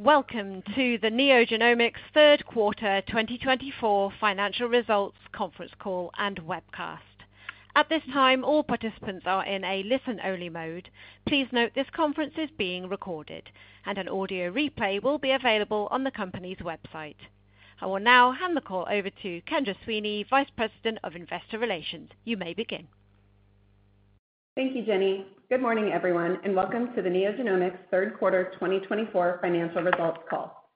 Welcome to the NeoGenomics Q3 2024 Financial Results Conference Call and Webcast. At this time, all participants are in a listen-only mode. Please note this conference is being recorded, and an audio replay will be available on the company's website. I will now hand the call over to Kendra Sweeney, Vice President of Investor Relations. You may begin. Thank you, Jenny. Good morning, everyone, and welcome to the NeoGenomics Q3 2024 Financial Results Call.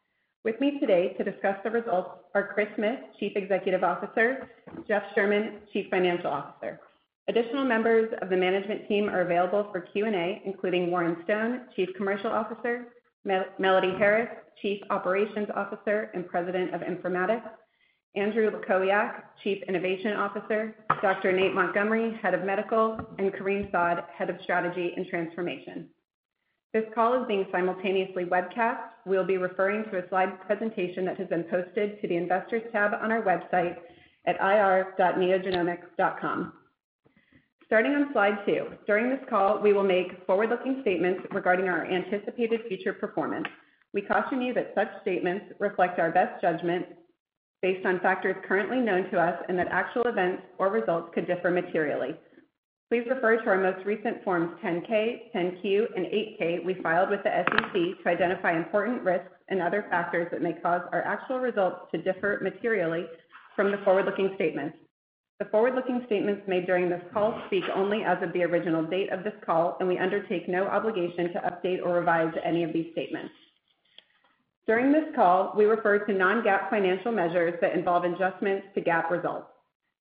With me today to discuss the results are Chris Smith, Chief Executive Officer, Jeff Sherman, Chief Financial Officer. Additional members of the management team are available for Q&A, including Warren Stone, Chief Commercial Officer, Melody Harris, Chief Operations Officer and President of Informatics, Andrew Lukowiak, Chief Innovation Officer, Dr. Nate Montgomery, Head of Medical, and Kareem Saad, Head of Strategy and Transformation. This call is being simultaneously webcast. We'll be referring to a slide presentation that has been posted to the Investors tab on our website at ir.neogenomics.com. Starting on slide two, during this call, we will make forward-looking statements regarding our anticipated future performance. We caution you that such statements reflect our best judgment based on factors currently known to us and that actual events or results could differ materially. Please refer to our most recent Forms 10-K, 10-Q, and 8-K we filed with the SEC to identify important risks and other factors that may cause our actual results to differ materially from the forward-looking statements. The forward-looking statements made during this call speak only as of the original date of this call, and we undertake no obligation to update or revise any of these statements. During this call, we refer to non-GAAP financial measures that involve adjustments to GAAP results.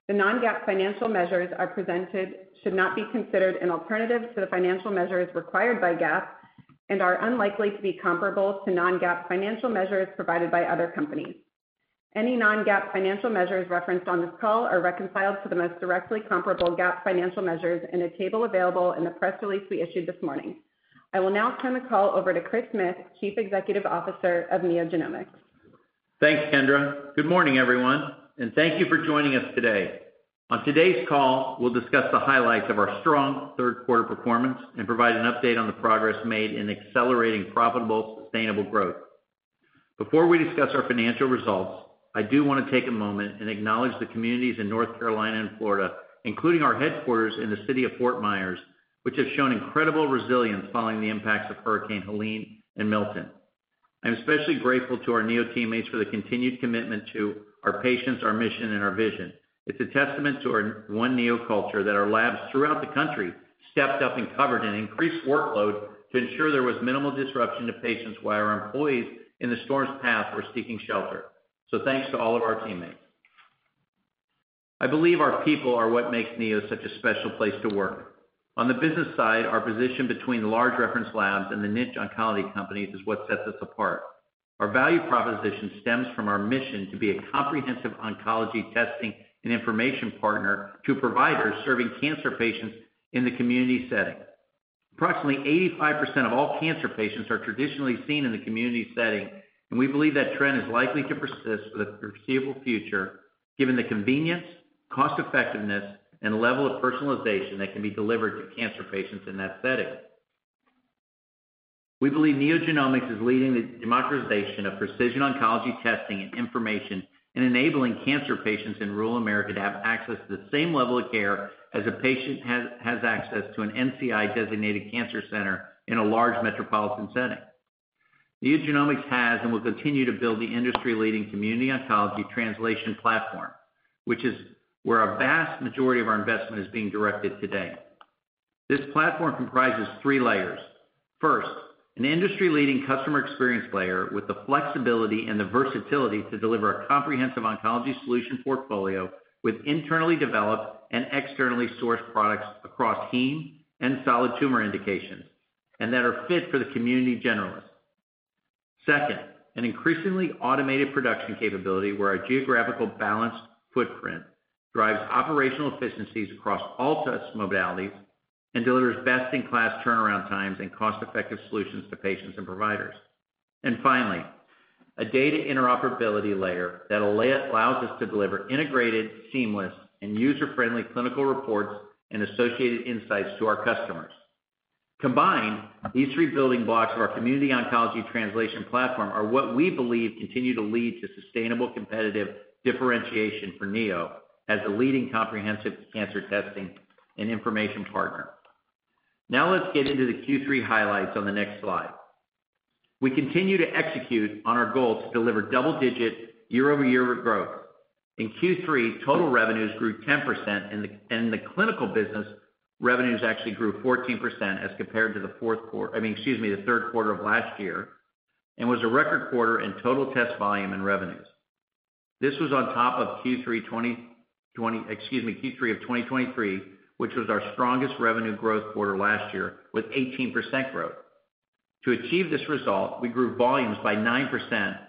The non-GAAP financial measures are presented, should not be considered an alternative to the financial measures required by GAAP and are unlikely to be comparable to non-GAAP financial measures provided by other companies. Any non-GAAP financial measures referenced on this call are reconciled to the most directly comparable GAAP financial measures in a table available in the press release we issued this morning. I will now turn the call over to Chris Smith, Chief Executive Officer of NeoGenomics. Thanks, Kendra. Good morning, everyone, and thank you for joining us today. On today's call, we'll discuss the highlights of our strong Q3 performance and provide an update on the progress made in accelerating profitable, sustainable growth. Before we discuss our financial results, I do want to take a moment and acknowledge the communities in North Carolina and Florida, including our headquarters in the city of Fort Myers, which have shown incredible resilience following the impacts of Hurricane Helene and Milton. I'm especially grateful to our NEO teammates for the continued commitment to our patients, our mission, and our vision. It's a testament to our One NEO culture that our labs throughout the country stepped up and covered an increased workload to ensure there was minimal disruption to patients while our employees in the storm's path were seeking shelter. So thanks to all of our teammates. I believe our people are what makes NEO such a special place to work. On the business side, our position between large reference labs and the niche oncology companies is what sets us apart. Our value proposition stems from our mission to be a comprehensive oncology testing and information partner to providers serving cancer patients in the community setting. Approximately 85% of all cancer patients are traditionally seen in the community setting, and we believe that trend is likely to persist for the foreseeable future given the convenience, cost-effectiveness, and level of personalization that can be delivered to cancer patients in that setting. We believe NeoGenomics is leading the democratization of precision oncology testing and information and enabling cancer patients in rural America to have access to the same level of care as a patient has access to an NCI-designated cancer center in a large metropolitan setting. NeoGenomics has and will continue to build the industry-leading community oncology translational platform, which is where a vast majority of our investment is being directed today. This platform comprises three layers. First, an industry-leading customer experience layer with the flexibility and the versatility to deliver a comprehensive oncology solution portfolio with internally developed and externally sourced products across heme and solid tumor indications and that are fit for the community generalist. Second, an increasingly automated production capability where our geographically balanced footprint drives operational efficiencies across all test modalities and delivers best-in-class turnaround times and cost-effective solutions to patients and providers. And finally, a data interoperability layer that allows us to deliver integrated, seamless, and user-friendly clinical reports and associated insights to our customers. Combined, these three building blocks of our community oncology translation platform are what we believe continue to lead to sustainable, competitive differentiation for NEO as a leading comprehensive cancer testing and information partner. Now let's get into the Q3 highlights on the next slide. We continue to execute on our goal to deliver double-digit year-over-year growth. In Q3, total revenues grew 10%, and the clinical business revenues actually grew 14% as compared to the Q4 - I mean, excuse me, the Q3 of last year - and was a record quarter in total test volume and revenues. This was on top of Q3 of 2023, which was our strongest revenue growth quarter last year with 18% growth. To achieve this result, we grew volumes by 9%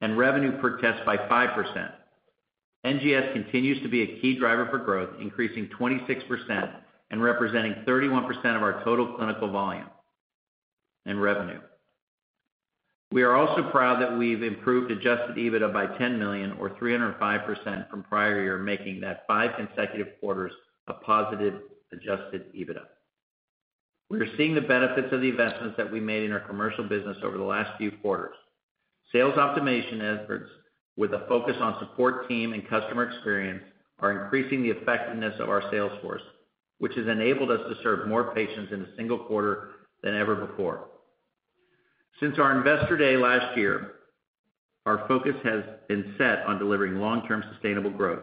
and revenue per test by 5%. NGS continues to be a key driver for growth, increasing 26% and representing 31% of our total clinical volume and revenue. We are also proud that we've improved adjusted EBITDA by $10 million, or 305%, from prior year, making that five consecutive quarters a positive adjusted EBITDA. We're seeing the benefits of the investments that we made in our commercial business over the last few quarters. Sales optimization efforts with a focus on support team and customer experience are increasing the effectiveness of our sales force, which has enabled us to serve more patients in a single quarter than ever before. Since our Investor Day last year, our focus has been set on delivering long-term sustainable growth.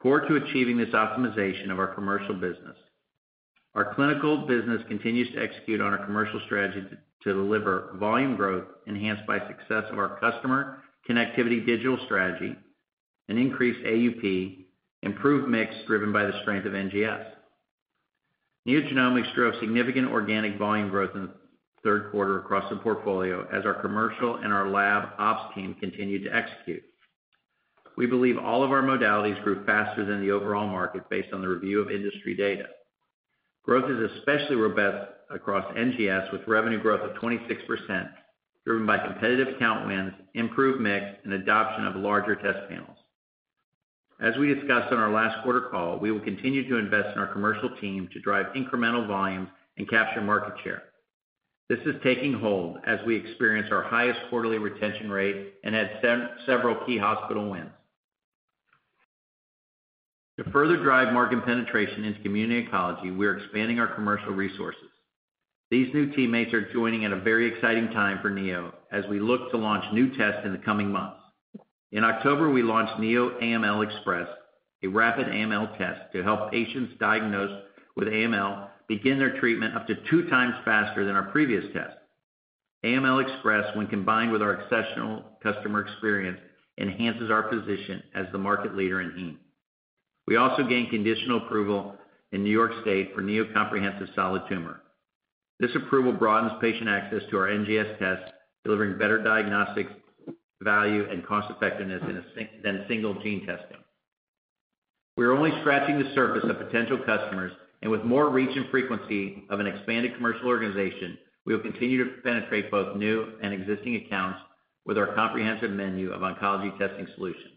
Core to achieving this optimization of our commercial business, our clinical business continues to execute on our commercial strategy to deliver volume growth enhanced by success of our customer connectivity digital strategy, an increased AUP, improved mix driven by the strength of NGS. NeoGenomics drove significant organic volume growth in the Q3 across the portfolio as our commercial and our lab ops team continued to execute. We believe all of our modalities grew faster than the overall market based on the review of industry data. Growth is especially robust across NGS with revenue growth of 26% driven by competitive count wins, improved mix, and adoption of larger test panels. As we discussed on our last quarter call, we will continue to invest in our commercial team to drive incremental volumes and capture market share. This is taking hold as we experience our highest quarterly retention rate and had several key hospital wins. To further drive market penetration into community oncology, we're expanding our commercial resources. These new teammates are joining at a very exciting time for NEO as we look to launch new tests in the coming months. In October, we launched Neo AML Express, a rapid AML test to help patients diagnosed with AML begin their treatment up to two times faster than our previous test. AML Express, when combined with our exceptional customer experience, enhances our position as the market leader in heme. We also gained conditional approval in New York State for Neo Comprehensive Solid Tumor. This approval broadens patient access to our NGS test, delivering better diagnostic value and cost-effectiveness than single-gene testing. We are only scratching the surface of potential customers, and with more reach and frequency of an expanded commercial organization, we will continue to penetrate both new and existing accounts with our comprehensive menu of oncology testing solutions.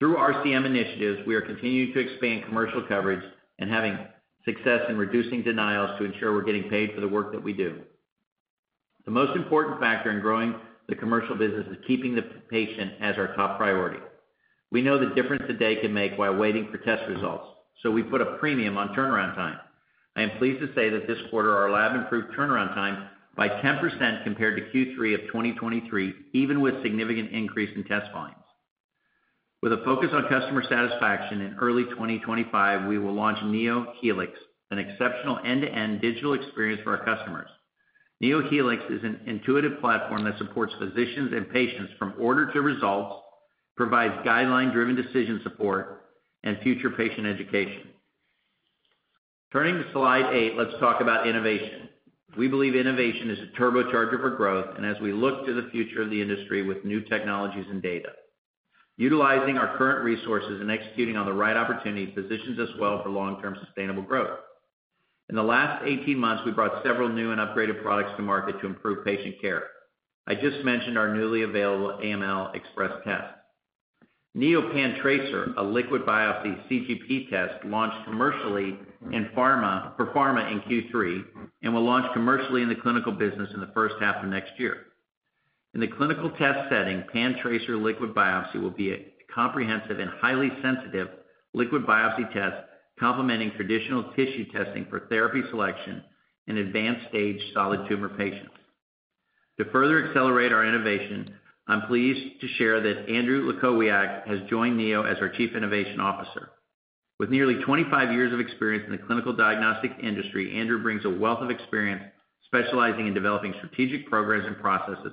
Through RCM initiatives, we are continuing to expand commercial coverage and having success in reducing denials to ensure we're getting paid for the work that we do. The most important factor in growing the commercial business is keeping the patient as our top priority. We know the difference today can make while waiting for test results, so we put a premium on turnaround time. I am pleased to say that this quarter, our lab improved turnaround time by 10% compared to Q3 of 2023, even with significant increase in test volumes. With a focus on customer satisfaction in early 2025, we will launch NeoHelix, an exceptional end-to-end digital experience for our customers. NeoHelix is an intuitive platform that supports physicians and patients from order to results, provides guideline-driven decision support, and future patient education. Turning to slide eight, let's talk about innovation. We believe innovation is a turbocharger for growth, and as we look to the future of the industry with new technologies and data, utilizing our current resources and executing on the right opportunity positions us well for long-term sustainable growth. In the last 18 months, we brought several new and upgraded products to market to improve patient care. I just mentioned our newly available AML Express test. NeoPanTracer, a liquid biopsy CGP test, launched commercially in pharma in Q3 and will launch commercially in the clinical business in the first half of next year. In the clinical test setting, PanTracer liquid biopsy will be a comprehensive and highly sensitive liquid biopsy test complementing traditional tissue testing for therapy selection in advanced-stage solid tumor patients. To further accelerate our innovation, I'm pleased to share that Andrew Lukowiak has joined NEO as our Chief Innovation Officer. With nearly 25 years of experience in the clinical diagnostic industry, Andrew brings a wealth of experience specializing in developing strategic programs and processes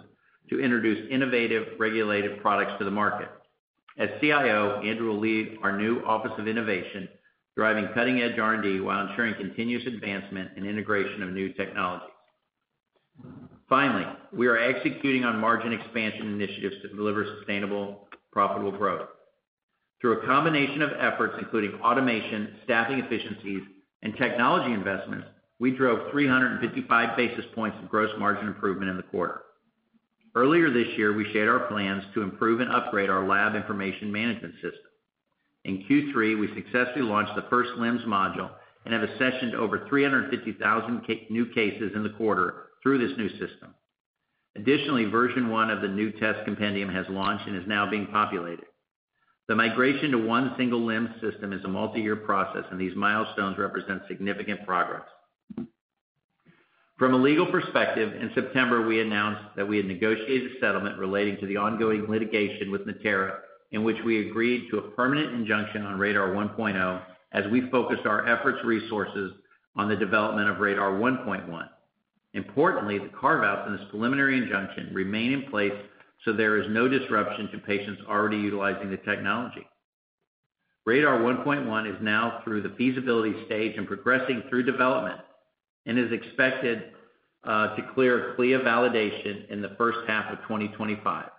to introduce innovative regulated products to the market. As CIO, Andrew will lead our new office of innovation, driving cutting-edge R&D while ensuring continuous advancement and integration of new technologies. Finally, we are executing on margin expansion initiatives to deliver sustainable, profitable growth. Through a combination of efforts including automation, staffing efficiencies, and technology investments, we drove 355 basis points of gross margin improvement in the quarter. Earlier this year, we shared our plans to improve and upgrade our lab information management system. In Q3, we successfully launched the first LIMS module and have accessioned over 350,000 new cases in the quarter through this new system. Additionally, version one of the new test compendium has launched and is now being populated. The migration to one single LIMS system is a multi-year process, and these milestones represent significant progress. From a legal perspective, in September, we announced that we had negotiated a settlement relating to the ongoing litigation with Natera, in which we agreed to a permanent injunction on RaDaR 1.0 as we focused our efforts and resources on the development of RaDaR 1.1. Importantly, the carve-outs in this preliminary injunction remain in place so there is no disruption to patients already utilizing the technology. RaDaR 1.1 is now through the feasibility stage and progressing through development and is expected to clear CLIA validation in the first half of 2025.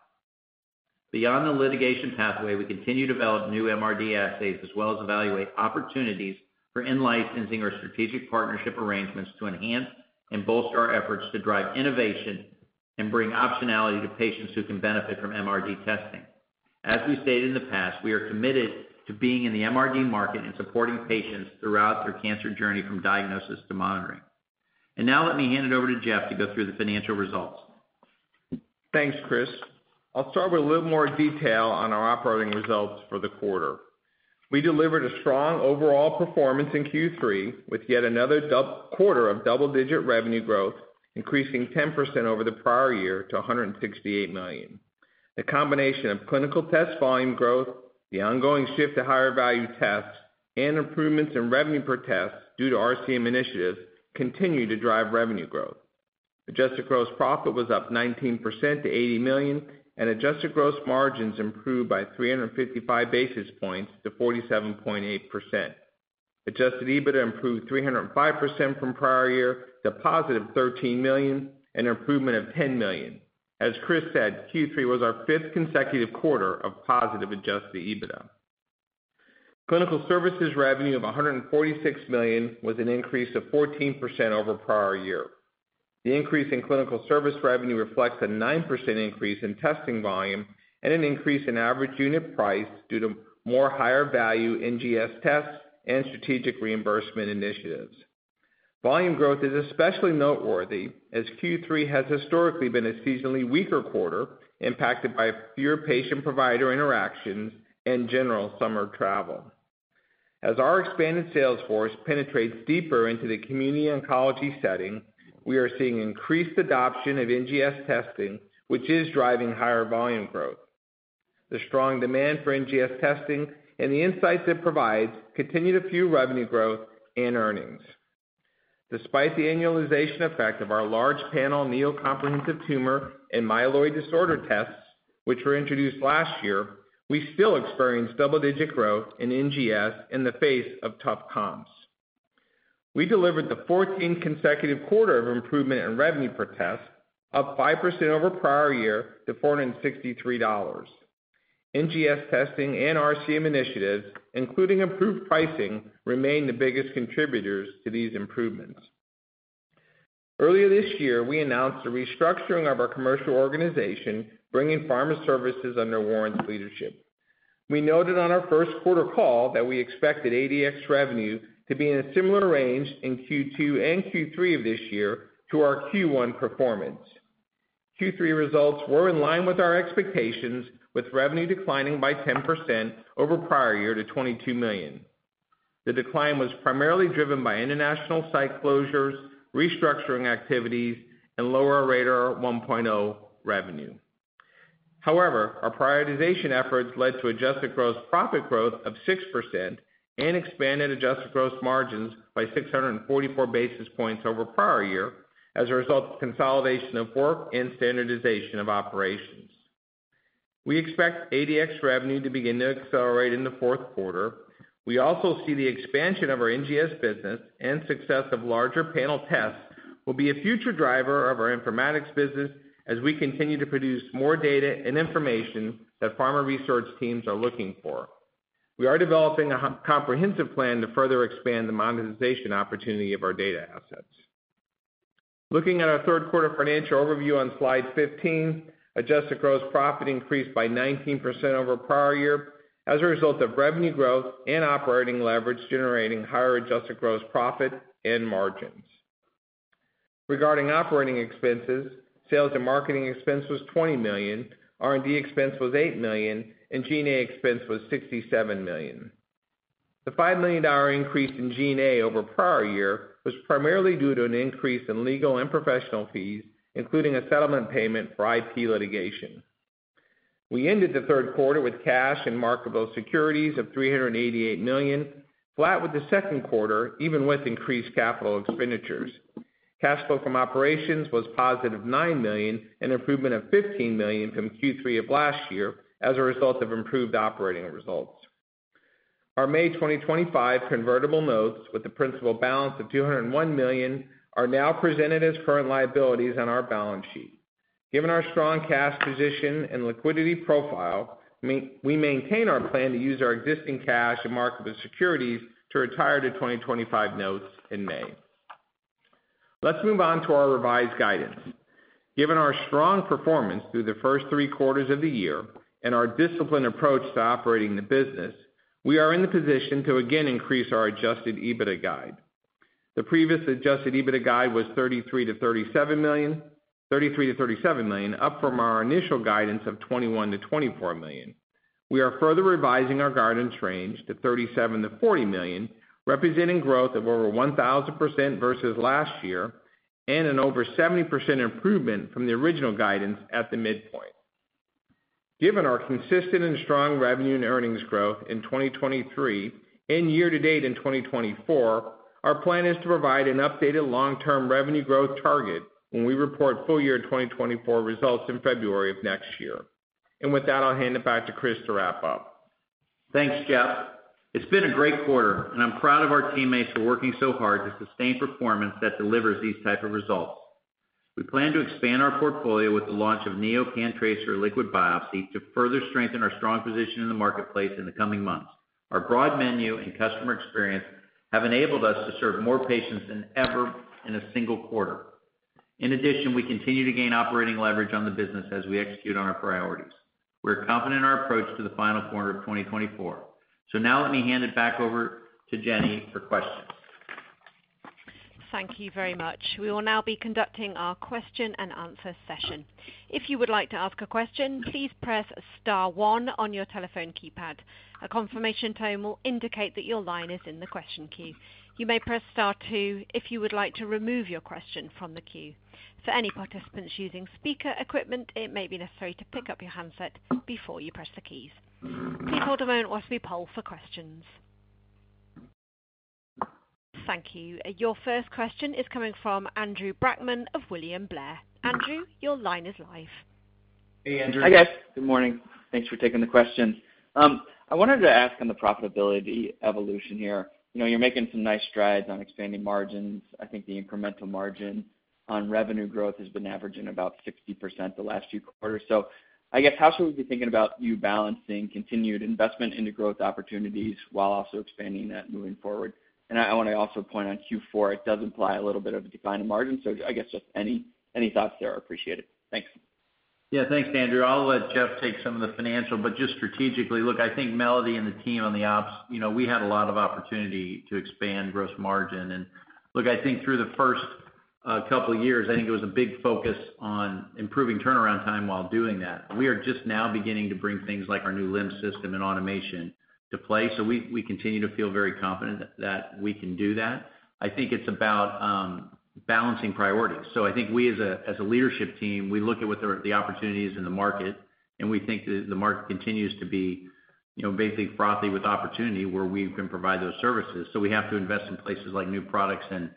Beyond the litigation pathway, we continue to develop new MRD assays as well as evaluate opportunities for in-licensing or strategic partnership arrangements to enhance and bolster our efforts to drive innovation and bring optionality to patients who can benefit from MRD testing. As we stated in the past, we are committed to being in the MRD market and supporting patients throughout their cancer journey from diagnosis to monitoring. And now let me hand it over to Jeff to go through the financial results. Thanks, Chris. I'll start with a little more detail on our operating results for the quarter. We delivered a strong overall performance in Q3 with yet another quarter of double-digit revenue growth, increasing 10% over the prior year to $168 million. The combination of clinical test volume growth, the ongoing shift to higher value tests, and improvements in revenue per test due to RCM initiatives continue to drive revenue growth. Adjusted gross profit was up 19% to $80 million, and adjusted gross margins improved by 355 basis points to 47.8%. Adjusted EBITDA improved 305% from prior year to a positive $13 million and improvement of $10 million. As Chris said, Q3 was our fifth consecutive quarter of positive adjusted EBITDA. Clinical services revenue of $146 million was an increase of 14% over prior year. The increase in clinical service revenue reflects a 9% increase in testing volume and an increase in average unit price due to more higher value NGS tests and strategic reimbursement initiatives. Volume growth is especially noteworthy as Q3 has historically been a seasonally weaker quarter impacted by fewer patient-provider interactions and general summer travel. As our expanded sales force penetrates deeper into the community oncology setting, we are seeing increased adoption of NGS testing, which is driving higher volume growth. The strong demand for NGS testing and the insights it provides continue to fuel revenue growth and earnings. Despite the annualization effect of our large panel Neo Comprehensive tumor and myeloid disorder tests, which were introduced last year, we still experience double-digit growth in NGS in the face of tough comps. We delivered the 14th consecutive quarter of improvement in revenue per test, up 5% over prior year to $463. NGS testing and RCM initiatives, including improved pricing, remain the biggest contributors to these improvements. Earlier this year, we announced the restructuring of our commercial organization, bringing pharma services under Warren's leadership. We noted on our first quarter call that we expected ADX revenue to be in a similar range in Q2 and Q3 of this year to our Q1 performance. Q3 results were in line with our expectations, with revenue declining by 10% over prior year to $22 million. The decline was primarily driven by international site closures, restructuring activities, and lower RaDaR 1.0 revenue. However, our prioritization efforts led to adjusted gross profit growth of 6% and expanded adjusted gross margins by 644 basis points over prior year as a result of consolidation of work and standardization of operations. We expect ADX revenue to begin to accelerate in the Q4. We also see the expansion of our NGS business and success of larger panel tests will be a future driver of our informatics business as we continue to produce more data and information that pharma research teams are looking for. We are developing a comprehensive plan to further expand the monetization opportunity of our data assets. Looking at our Q3 financial overview on slide 15, adjusted gross profit increased by 19% over prior year as a result of revenue growth and operating leverage generating higher adjusted gross profit and margins. Regarding operating expenses, sales and marketing expense was $20 million, R&D expense was $8 million, and G&A expense was $67 million. The $5 million increase in G&A over prior year was primarily due to an increase in legal and professional fees, including a settlement payment for IP litigation. We ended the Q3 with cash and marketable securities of $388 million, flat with the Q2 even with increased capital expenditures. Cash flow from operations was positive $9 million and improvement of $15 million from Q3 of last year as a result of improved operating results. Our May 2025 convertible notes with a principal balance of $201 million are now presented as current liabilities on our balance sheet. Given our strong cash position and liquidity profile, we maintain our plan to use our existing cash and marketable securities to retire to 2025 notes in May. Let's move on to our revised guidance. Given our strong performance through the first three quarters of the year and our disciplined approach to operating the business, we are in the position to again increase our Adjusted EBITDA guide. The previous Adjusted EBITDA guide was $33 million-$37 million, $33 million-$37 million, up from our initial guidance of $21 million-$24 million. We are further revising our guidance range to $37 million-$40 million, representing growth of over 1,000% versus last year and an over 70% improvement from the original guidance at the midpoint. Given our consistent and strong revenue and earnings growth in 2023 and year-to-date in 2024, our plan is to provide an updated long-term revenue growth target when we report full year 2024 results in February of next year. And with that, I'll hand it back to Chris to wrap up. Thanks, Jeff. It's been a great quarter, and I'm proud of our teammates for working so hard to sustain performance that delivers these types of results. We plan to expand our portfolio with the launch of NeoPanTracer liquid biopsy to further strengthen our strong position in the marketplace in the coming months. Our broad menu and customer experience have enabled us to serve more patients than ever in a single quarter. In addition, we continue to gain operating leverage on the business as we execute on our priorities. We're confident in our approach to the final quarter of 2024. So now let me hand it back over to Jenny for questions. Thank you very much. We will now be conducting our question and answer session. If you would like to ask a question, please press star one on your telephone keypad. A confirmation tone will indicate that your line is in the question queue. You may press star two if you would like to remove your question from the queue. For any participants using speaker equipment, it may be necessary to pick up your handset before you press the keys. Please hold a moment whilst we poll for questions. Thank you. Your first question is coming from Andrew Brackman of William Blair. Andrew, your line is live. Hey, Andrew. Good morning. Thanks for taking the question. I wanted to ask on the profitability evolution here. You're making some nice strides on expanding margins. I think the incremental margin on revenue growth has been averaging about 60% the last few quarters. So I guess, how should we be thinking about you balancing continued investment into growth opportunities while also expanding that moving forward? And I want to also point out Q4. It does imply a little bit of a declining margin. So I guess just any thoughts there are appreciated. Thanks. Yeah, thanks, Andrew. I'll let Jeff take some of the financial. But just strategically, look, I think Melody and the team on the ops. We had a lot of opportunity to expand gross margin. And look, I think through the first couple of years, I think it was a big focus on improving turnaround time while doing that. We are just now beginning to bring things like our new LIMS system and automation to play. So we continue to feel very confident that we can do that. I think it's about balancing priorities. So I think we, as a leadership team, we look at the opportunities in the market, and we think that the market continues to be basically frothy with opportunity where we can provide those services. So we have to invest in places like new products and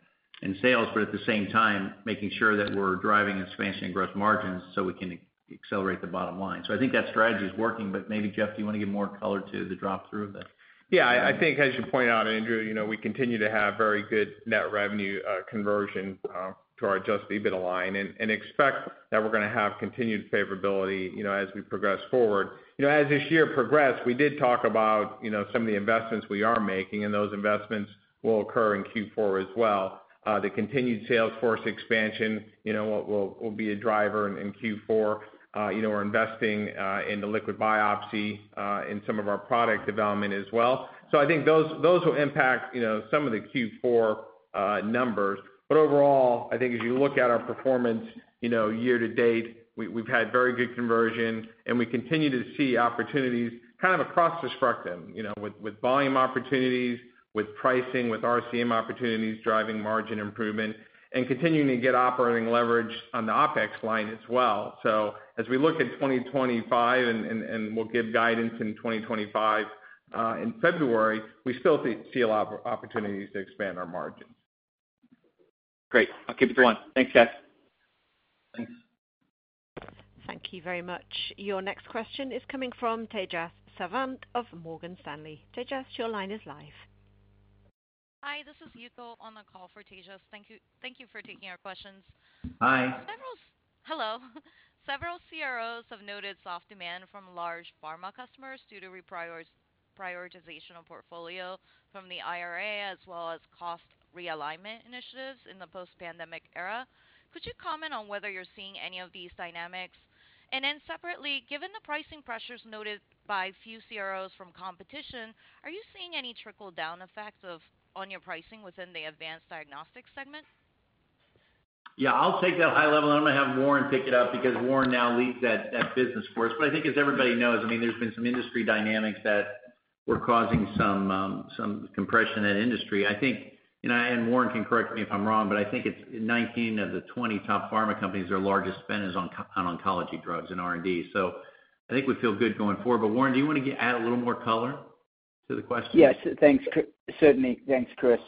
sales, but at the same time, making sure that we're driving expansion and gross margins so we can accelerate the bottom line. So I think that strategy is working. But maybe, Jeff, do you want to give more color to the drop-through of that? Yeah, I think, as you point out, Andrew, we continue to have very good net revenue conversion to our adjusted EBITDA line and expect that we're going to have continued favorability as we progress forward. As this year progressed, we did talk about some of the investments we are making, and those investments will occur in Q4 as well. The continued sales force expansion will be a driver in Q4. We're investing in the liquid biopsy in some of our product development as well. So I think those will impact some of the Q4 numbers. But overall, I think as you look at our performance year-to-date, we've had very good conversion, and we continue to see opportunities kind of across the spectrum with volume opportunities, with pricing, with RCM opportunities driving margin improvement, and continuing to get operating leverage on the OpEx line as well. So as we look at 2025 and we'll give guidance in 2025 in February, we still see a lot of opportunities to expand our margins. Great. I'll keep it to one. Thanks, Jeff. Thanks. Thank you very much. Your next question is coming from Tejas Savant of Morgan Stanley. Tejas, your line is live. Hi, this is Yuko on the call for Tejas. Thank you for taking our questions. Hello. Several CROs have noted soft demand from large pharma customers due to reprioritization of portfolio from the IRA as well as cost realignment initiatives in the post-pandemic era. Could you comment on whether you're seeing any of these dynamics? And then separately, given the pricing pressures noted by few CROs from competition, are you seeing any trickle-down effect on your pricing within the Advanced Diagnostics segment? Yeah, I'll take that high level, and I'm going to have Warren pick it up because Warren now leads that business for us. But I think, as everybody knows, I mean, there's been some industry dynamics that were causing some compression in industry. I think, and Warren can correct me if I'm wrong, but I think it's 19 of the 20 top pharma companies their largest spend is on oncology drugs and R&D. So I think we feel good going forward. But Warren, do you want to add a little more color to the question? Yes, thanks. Certainly, thanks, Chris.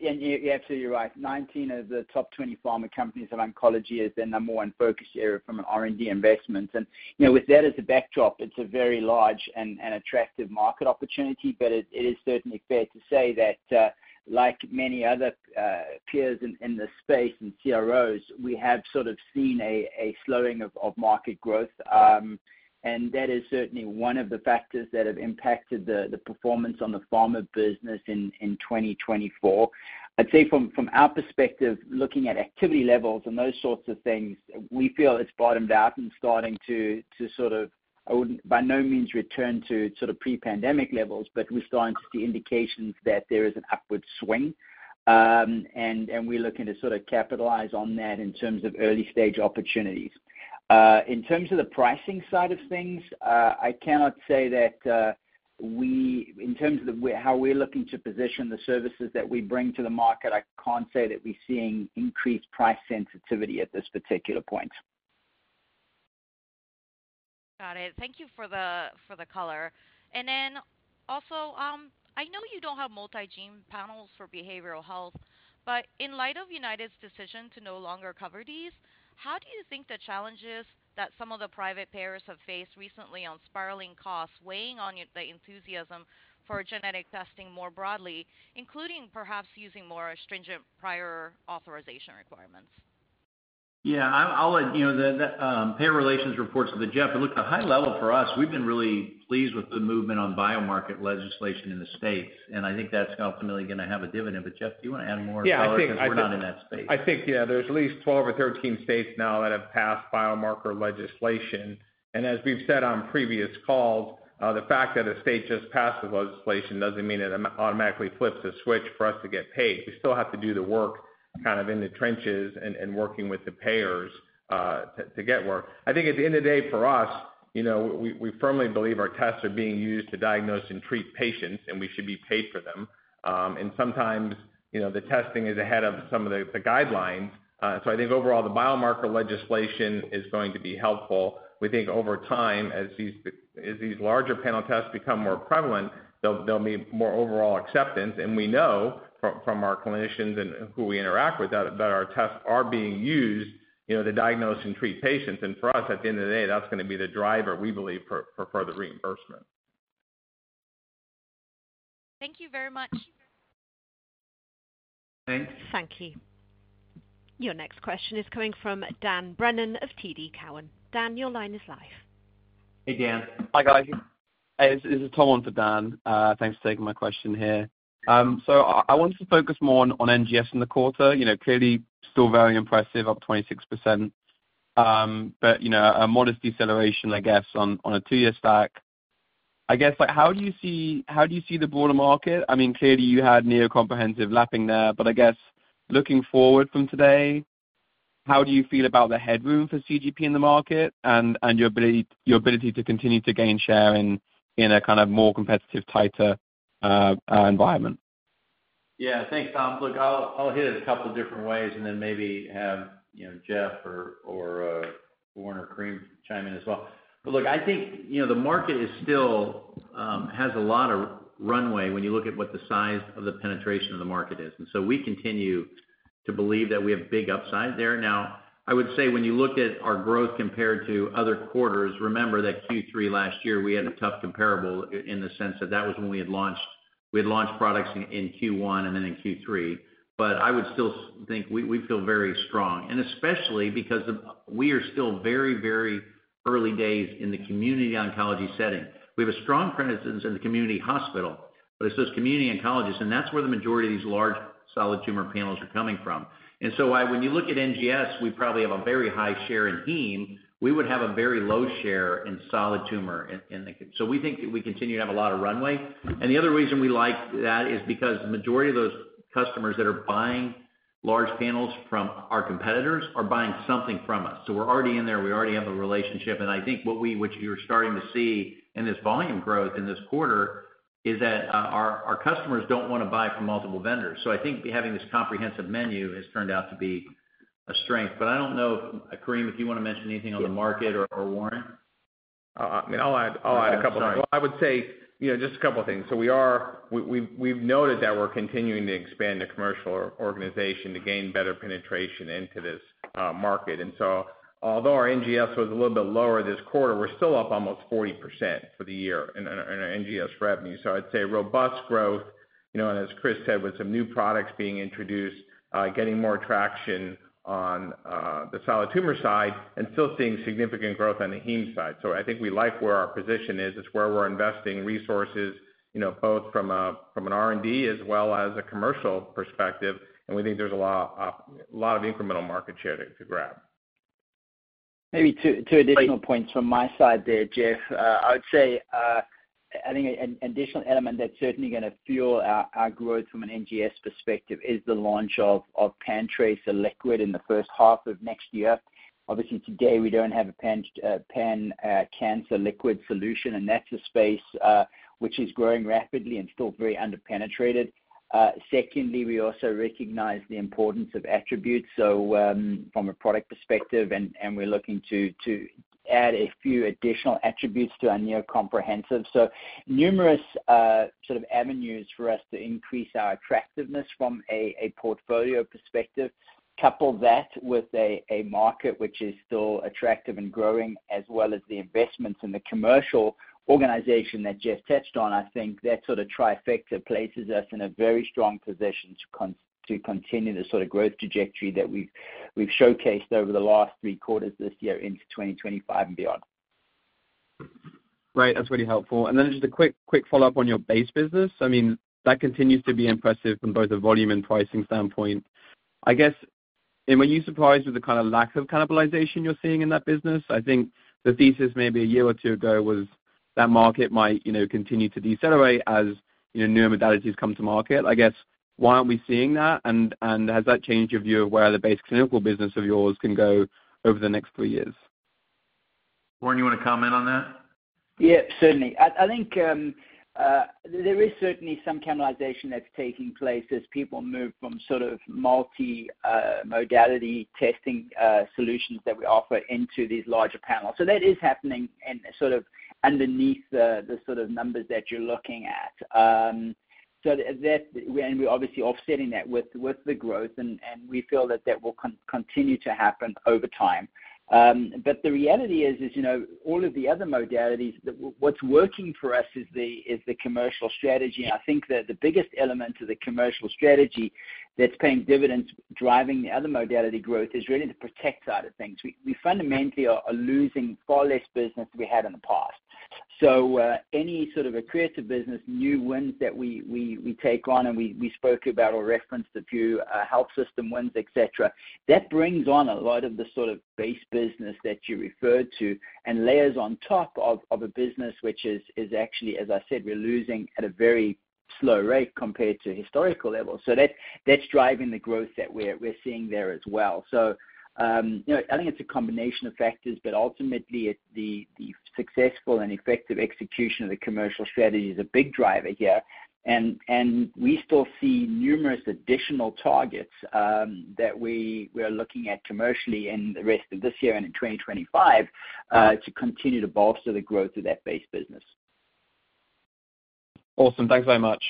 And yeah, absolutely right. 19 of the top 20 pharma companies have oncology as their number one focus area from an R&D investment. And with that as a backdrop, it's a very large and attractive market opportunity, but it is certainly fair to say that, like many other peers in the space and CROs, we have sort of seen a slowing of market growth. And that is certainly one of the factors that have impacted the performance on the pharma business in 2024. I'd say from our perspective, looking at activity levels and those sorts of things, we feel it's bottomed out and starting to sort of, by no means, return to sort of pre-pandemic levels, but we're starting to see indications that there is an upward swing. And we're looking to sort of capitalize on that in terms of early-stage opportunities. In terms of the pricing side of things, I cannot say that we, in terms of how we're looking to position the services that we bring to the market, I can't say that we're seeing increased price sensitivity at this particular point. Got it. Thank you for the color. And then also, I know you don't have multi-gene panels for behavioral health, but in light of United's decision to no longer cover these, how do you think the challenges that some of the private payers have faced recently on spiraling costs weighing on the enthusiasm for genetic testing more broadly, including perhaps using more stringent prior authorization requirements? Yeah, I'll let the payer relations report to Jeff. Look, at the high level for us, we've been really pleased with the movement on biomarker legislation in the states. And I think that's ultimately going to have a dividend. But Jeff, do you want to add more? Yeah, I think. Because we're not in that space. I think, yeah, there's at least 12 or 13 states now that have passed biomarker legislation. As we've said on previous calls, the fact that a state just passed the legislation doesn't mean it automatically flips a switch for us to get paid. We still have to do the work kind of in the trenches and working with the payers to get work. I think at the end of the day, for us, we firmly believe our tests are being used to diagnose and treat patients, and we should be paid for them. Sometimes the testing is ahead of some of the guidelines. I think overall, the biomarker legislation is going to be helpful. We think over time, as these larger panel tests become more prevalent, there'll be more overall acceptance. We know from our clinicians and who we interact with that our tests are being used to diagnose and treat patients. And for us, at the end of the day, that's going to be the driver, we believe, for further reimbursement. Thank you very much. Thanks. Thank you. Your next question is coming from Dan Brennan of TD Cowen.Dan, your line is live. Hey, Dan. Hi, guys. This is Tom on for Dan. Thanks for taking my question here. So I wanted to focus more on NGS in the quarter. Clearly, still very impressive, up 26%. But a modest deceleration, I guess, on a two-year stack. I guess, how do you see the broader market? I mean, clearly, you had Neo Comprehensive lapping there. But I guess, looking forward from today, how do you feel about the headroom for CGP in the market and your ability to continue to gain share in a kind of more competitive, tighter environment? Yeah, thanks, Tom. Look, I'll hit it a couple of different ways and then maybe have Jeff or Warren or Kareem chime in as well. But look, I think the market still has a lot of runway when you look at what the size of the penetration of the market is. And so we continue to believe that we have big upside there. Now, I would say when you look at our growth compared to other quarters, remember that Q3 last year, we had a tough comparable in the sense that that was when we had launched products in Q1 and then in Q3. But I would still think we feel very strong. And especially because we are still very, very early days in the community oncology setting. We have a strong presence in the community hospital, but it's those community oncologists, and that's where the majority of these large solid tumor panels are coming from. And so when you look at NGS, we probably have a very high share in Heme. We would have a very low share in solid tumor. So we think that we continue to have a lot of runway. And the other reason we like that is because the majority of those customers that are buying large panels from our competitors are buying something from us. So we're already in there. We already have a relationship. And I think what you're starting to see in this volume growth in this quarter is that our customers don't want to buy from multiple vendors. So I think having this comprehensive menu has turned out to be a strength. I don't know if, Kareem, you want to mention anything on the market or Warren. I mean, I'll add a couple of things. I would say just a couple of things. We've noted that we're continuing to expand the commercial organization to gain better penetration into this market. Although our NGS was a little bit lower this quarter, we're still up almost 40% for the year in our NGS revenue. I'd say robust growth. As Chris said, with some new products being introduced, getting more traction on the solid tumor side and still seeing significant growth on the Heme side. I think we like where our position is. It's where we're investing resources, both from an R&D as well as a commercial perspective. We think there's a lot of incremental market share to grab. Maybe two additional points from my side there, Jeff. I would say I think an additional element that's certainly going to fuel our growth from an NGS perspective is the launch of NeoPanTracer in the first half of next year. Obviously, today, we don't have a pan-cancer liquid solution, and that's a space which is growing rapidly and still very underpenetrated. Secondly, we also recognize the importance of attributes. So from a product perspective, and we're looking to add a few additional attributes to our Neo Comprehensive. So numerous sort of avenues for us to increase our attractiveness from a portfolio perspective. Couple that with a market which is still attractive and growing, as well as the investments in the commercial organization that Jeff touched on. I think that sort of trifecta places us in a very strong position to continue the sort of growth trajectory that we've showcased over the last three quarters this year into 2025 and beyond. Right. That's really helpful. And then just a quick follow-up on your base business. I mean, that continues to be impressive from both a volume and pricing standpoint. I guess, and were you surprised with the kind of lack of cannibalization you're seeing in that business? I guess, why aren't we seeing that? And has that changed your view of where the base clinical business of yours can go over the next three years? Warren, you want to comment on that? Yep, certainly. I think there is certainly some cannibalization that's taking place as people move from sort of multi-modality testing solutions that we offer into these larger panels. So that is happening sort of underneath the sort of numbers that you're looking at. And we're obviously offsetting that with the growth, and we feel that that will continue to happen over time. But the reality is, all of the other modalities, what's working for us is the commercial strategy. And I think that the biggest element of the commercial strategy that's paying dividends, driving the other modality growth, is really the protect side of things. We fundamentally are losing far less business than we had in the past. So any sort of accretive business, new wins that we take on, and we spoke about or referenced a few health system wins, etc., that brings on a lot of the sort of base business that you referred to and layers on top of a business which is actually, as I said, we're losing at a very slow rate compared to historical levels. So that's driving the growth that we're seeing there as well. So I think it's a combination of factors, but ultimately, the successful and effective execution of the commercial strategy is a big driver here. And we still see numerous additional targets that we are looking at commercially in the rest of this year and in 2025 to continue to bolster the growth of that base business. Awesome. Thanks very much.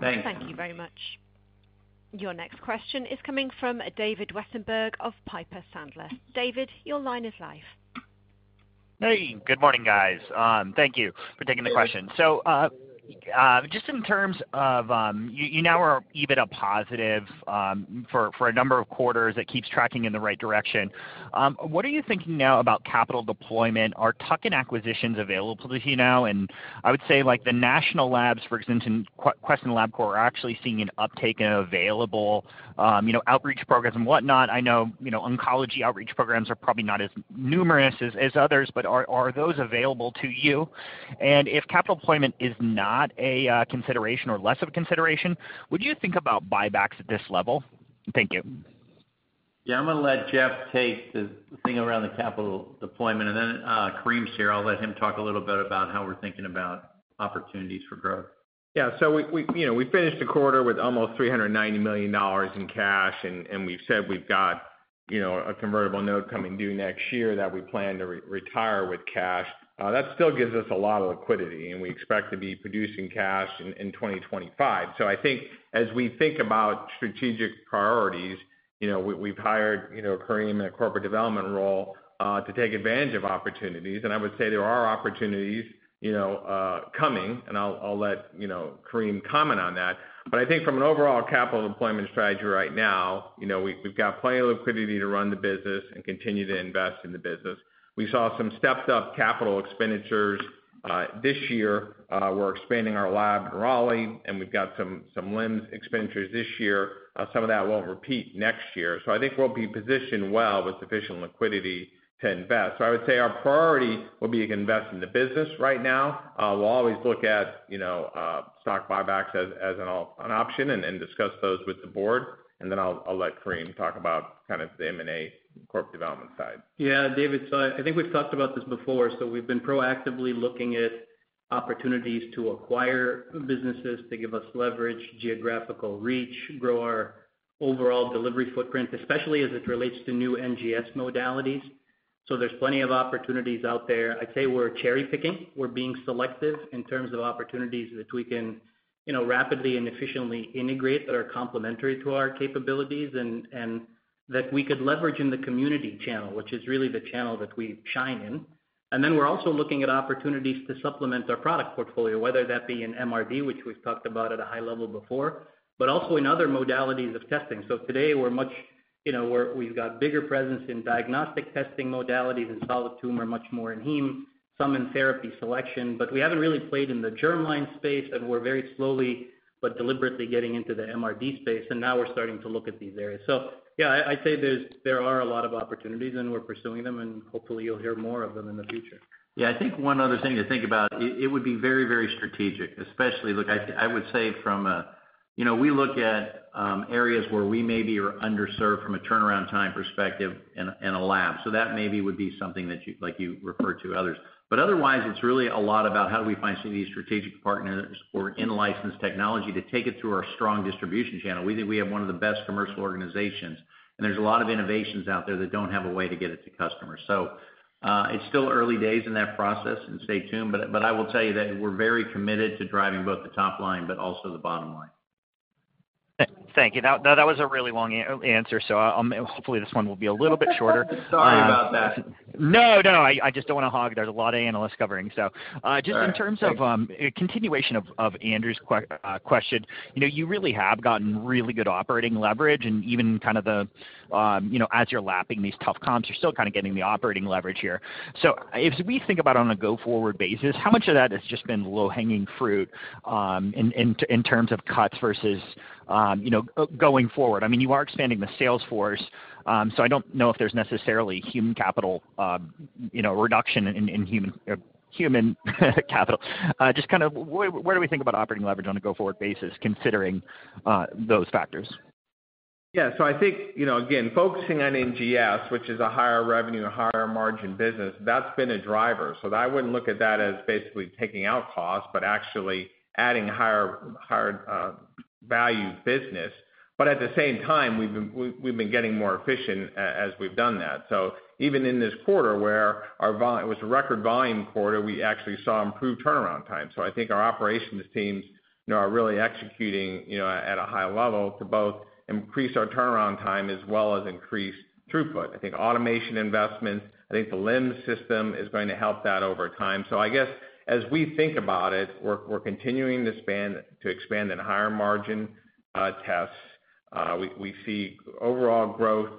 Thanks. Thank you very much. Your next question is coming from David Westenberg of Piper Sandler. David, your line is live. Hey. Good morning, guys. Thank you for taking the question. So just in terms of you now are EBITDA positive for a number of quarters. It keeps tracking in the right direction. What are you thinking now about capital deployment? Are tuck-ins and acquisitions available to you now? And I would say the national labs, for instance, and Quest and Labcorp are actually seeing an uptake in available outreach programs and whatnot. I know oncology outreach programs are probably not as numerous as others, but are those available to you? And if capital deployment is not a consideration or less of a consideration, would you think about buybacks at this level? Thank you. Yeah, I'm going to let Jeff take the lead on the capital deployment. And then Kareem's here. I'll let him talk a little bit about how we're thinking about opportunities for growth. Yeah, so we finished the quarter with almost $390 million in cash, and we've said we've got a convertible note coming due next year that we plan to retire with cash. That still gives us a lot of liquidity, and we expect to be producing cash in 2025, so I think as we think about strategic priorities, we've hired Kareem in a corporate development role to take advantage of opportunities, and I would say there are opportunities coming, and I'll let Kareem comment on that, but I think from an overall capital deployment strategy right now, we've got plenty of liquidity to run the business and continue to invest in the business. We saw some stepped-up capital expenditures this year. We're expanding our lab in Raleigh, and we've got some LIMS expenditures this year. Some of that won't repeat next year. I think we'll be positioned well with sufficient liquidity to invest. So I would say our priority will be to invest in the business right now. We'll always look at stock buybacks as an option and discuss those with the board. And then I'll let Kareem talk about kind of the M&A corporate development side. Yeah, David, so I think we've talked about this before. So we've been proactively looking at opportunities to acquire businesses to give us leverage, geographical reach, grow our overall delivery footprint, especially as it relates to new NGS modalities. So there's plenty of opportunities out there. I'd say we're cherry-picking. We're being selective in terms of opportunities that we can rapidly and efficiently integrate that are complementary to our capabilities and that we could leverage in the community channel, which is really the channel that we shine in. And then we're also looking at opportunities to supplement our product portfolio, whether that be in MRD, which we've talked about at a high level before, but also in other modalities of testing. So today, we've got bigger presence in diagnostic testing modalities and solid tumor, much more in Heme, some in therapy selection. But we haven't really played in the germline space, and we're very slowly but deliberately getting into the MRD space. And now we're starting to look at these areas. So yeah, I'd say there are a lot of opportunities, and we're pursuing them, and hopefully, you'll hear more of them in the future. Yeah, I think one other thing to think about, it would be very, very strategic, especially look, I would say from a we look at areas where we maybe are underserved from a turnaround time perspective and a lab. So that maybe would be something that you refer to others. But otherwise, it's really a lot about how do we find some of these strategic partners or in-licensed technology to take it through our strong distribution channel. We think we have one of the best commercial organizations, and there's a lot of innovations out there that don't have a way to get it to customers. So it's still early days in that process, and stay tuned. But I will tell you that we're very committed to driving both the top line but also the bottom line. Thank you. Now, that was a really long answer, so hopefully, this one will be a little bit shorter. Sorry about that. No, no. I just don't want to hog. There's a lot of analysts covering. So, just in terms of continuation of Andrew's question, you really have gotten really good operating leverage, and even kind of, as you're lapping these tough comps, you're still kind of getting the operating leverage here. So, if we think about it on a go-forward basis, how much of that has just been low-hanging fruit in terms of cuts versus going forward? I mean, you are expanding the sales force, so I don't know if there's necessarily human capital reduction in human capital. Just kind of, where do we think about operating leverage on a go-forward basis considering those factors? Yeah. So, I think, again, focusing on NGS, which is a higher revenue, higher margin business, that's been a driver. So, I wouldn't look at that as basically taking out costs but actually adding higher-value business. But at the same time, we've been getting more efficient as we've done that. So even in this quarter where it was a record volume quarter, we actually saw improved turnaround time. So I think our operations teams are really executing at a high level to both increase our turnaround time as well as increase throughput. I think automation investments, I think the LIMS system is going to help that over time. So I guess as we think about it, we're continuing to expand in higher margin tests. We see overall growth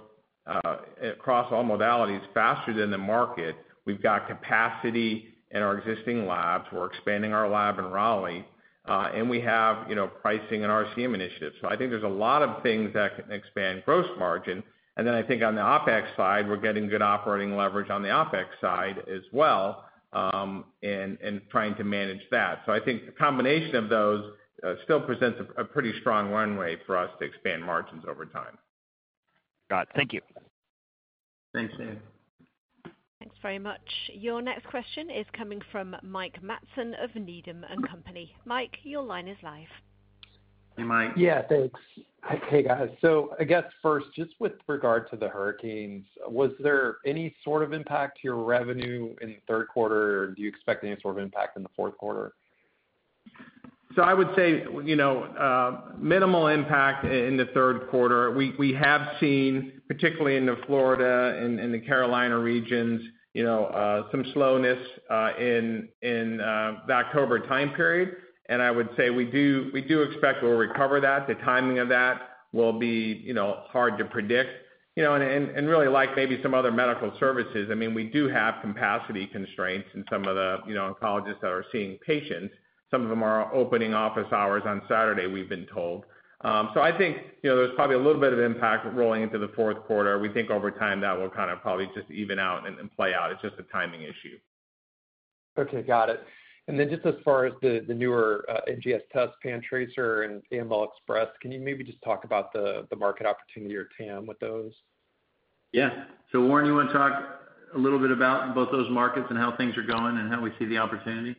across all modalities faster than the market. We've got capacity in our existing labs. We're expanding our lab in Raleigh, and we have pricing and RCM initiatives. So I think there's a lot of things that can expand gross margin. And then I think on the OPEX side, we're getting good operating leverage on the OPEX side as well and trying to manage that. So I think the combination of those still presents a pretty strong runway for us to expand margins over time. Got it. Thank you. Thanks, Dave. Thanks very much. Your next question is coming from Mike Matson of Needham & Company. Mike, your line is live. Hey, Mike. Yeah, thanks. Hey, guys. So I guess first, just with regard to the hurricanes, was there any sort of impact to your revenue in the third quarter, or do you expect any sort of impact in the fourth quarter? So I would say minimal impact in the third quarter. We have seen, particularly in the Florida and the Carolina regions, some slowness in the October time period. And I would say we do expect we'll recover that. The timing of that will be hard to predict. And really, like maybe some other medical services, I mean, we do have capacity constraints in some of the oncologists that are seeing patients. Some of them are opening office hours on Saturday, we've been told. So I think there's probably a little bit of impact rolling into the fourth quarter. We think over time that will kind of probably just even out and play out. It's just a timing issue. Okay. Got it, and then just as far as the newer NGS Test, PanTracer, and AML Express, can you maybe just talk about the market opportunity or TAM with those? Yeah, so Warren, you want to talk a little bit about both those markets and how things are going and how we see the opportunity?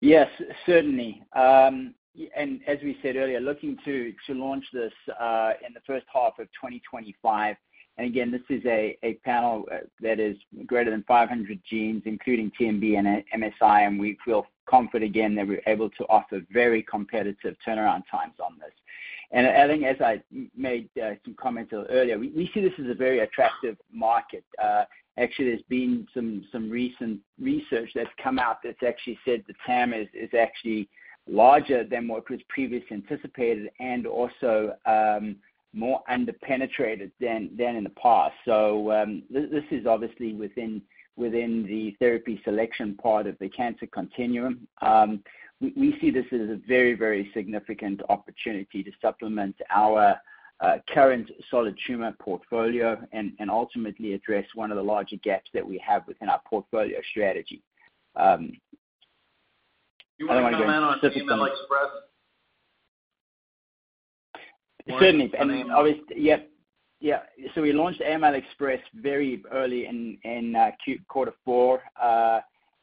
Yes, certainly. As we said earlier, looking to launch this in the first half of 2025. Again, this is a panel that is greater than 500 genes, including TMB and MSI. We feel confident, again, that we're able to offer very competitive turnaround times on this. I think, as I made some comments earlier, we see this as a very attractive market. Actually, there's been some recent research that's come out that's actually said the TAM is actually larger than what was previously anticipated and also more under-penetrated than in the past. This is obviously within the therapy selection part of the cancer continuum. We see this as a very, very significant opportunity to supplement our current solid tumor portfolio and ultimately address one of the larger gaps that we have within our portfolio strategy. You want to comment on AML Express? Certainly. Yep. Yeah. So we launched AML Express very early in quarter four.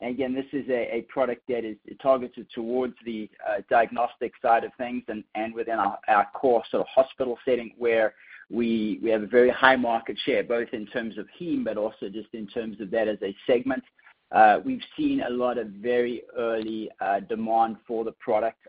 And again, this is a product that is targeted towards the diagnostic side of things and within our core sort of hospital setting where we have a very high market share, both in terms of Heme but also just in terms of that as a segment. We've seen a lot of very early demand for the product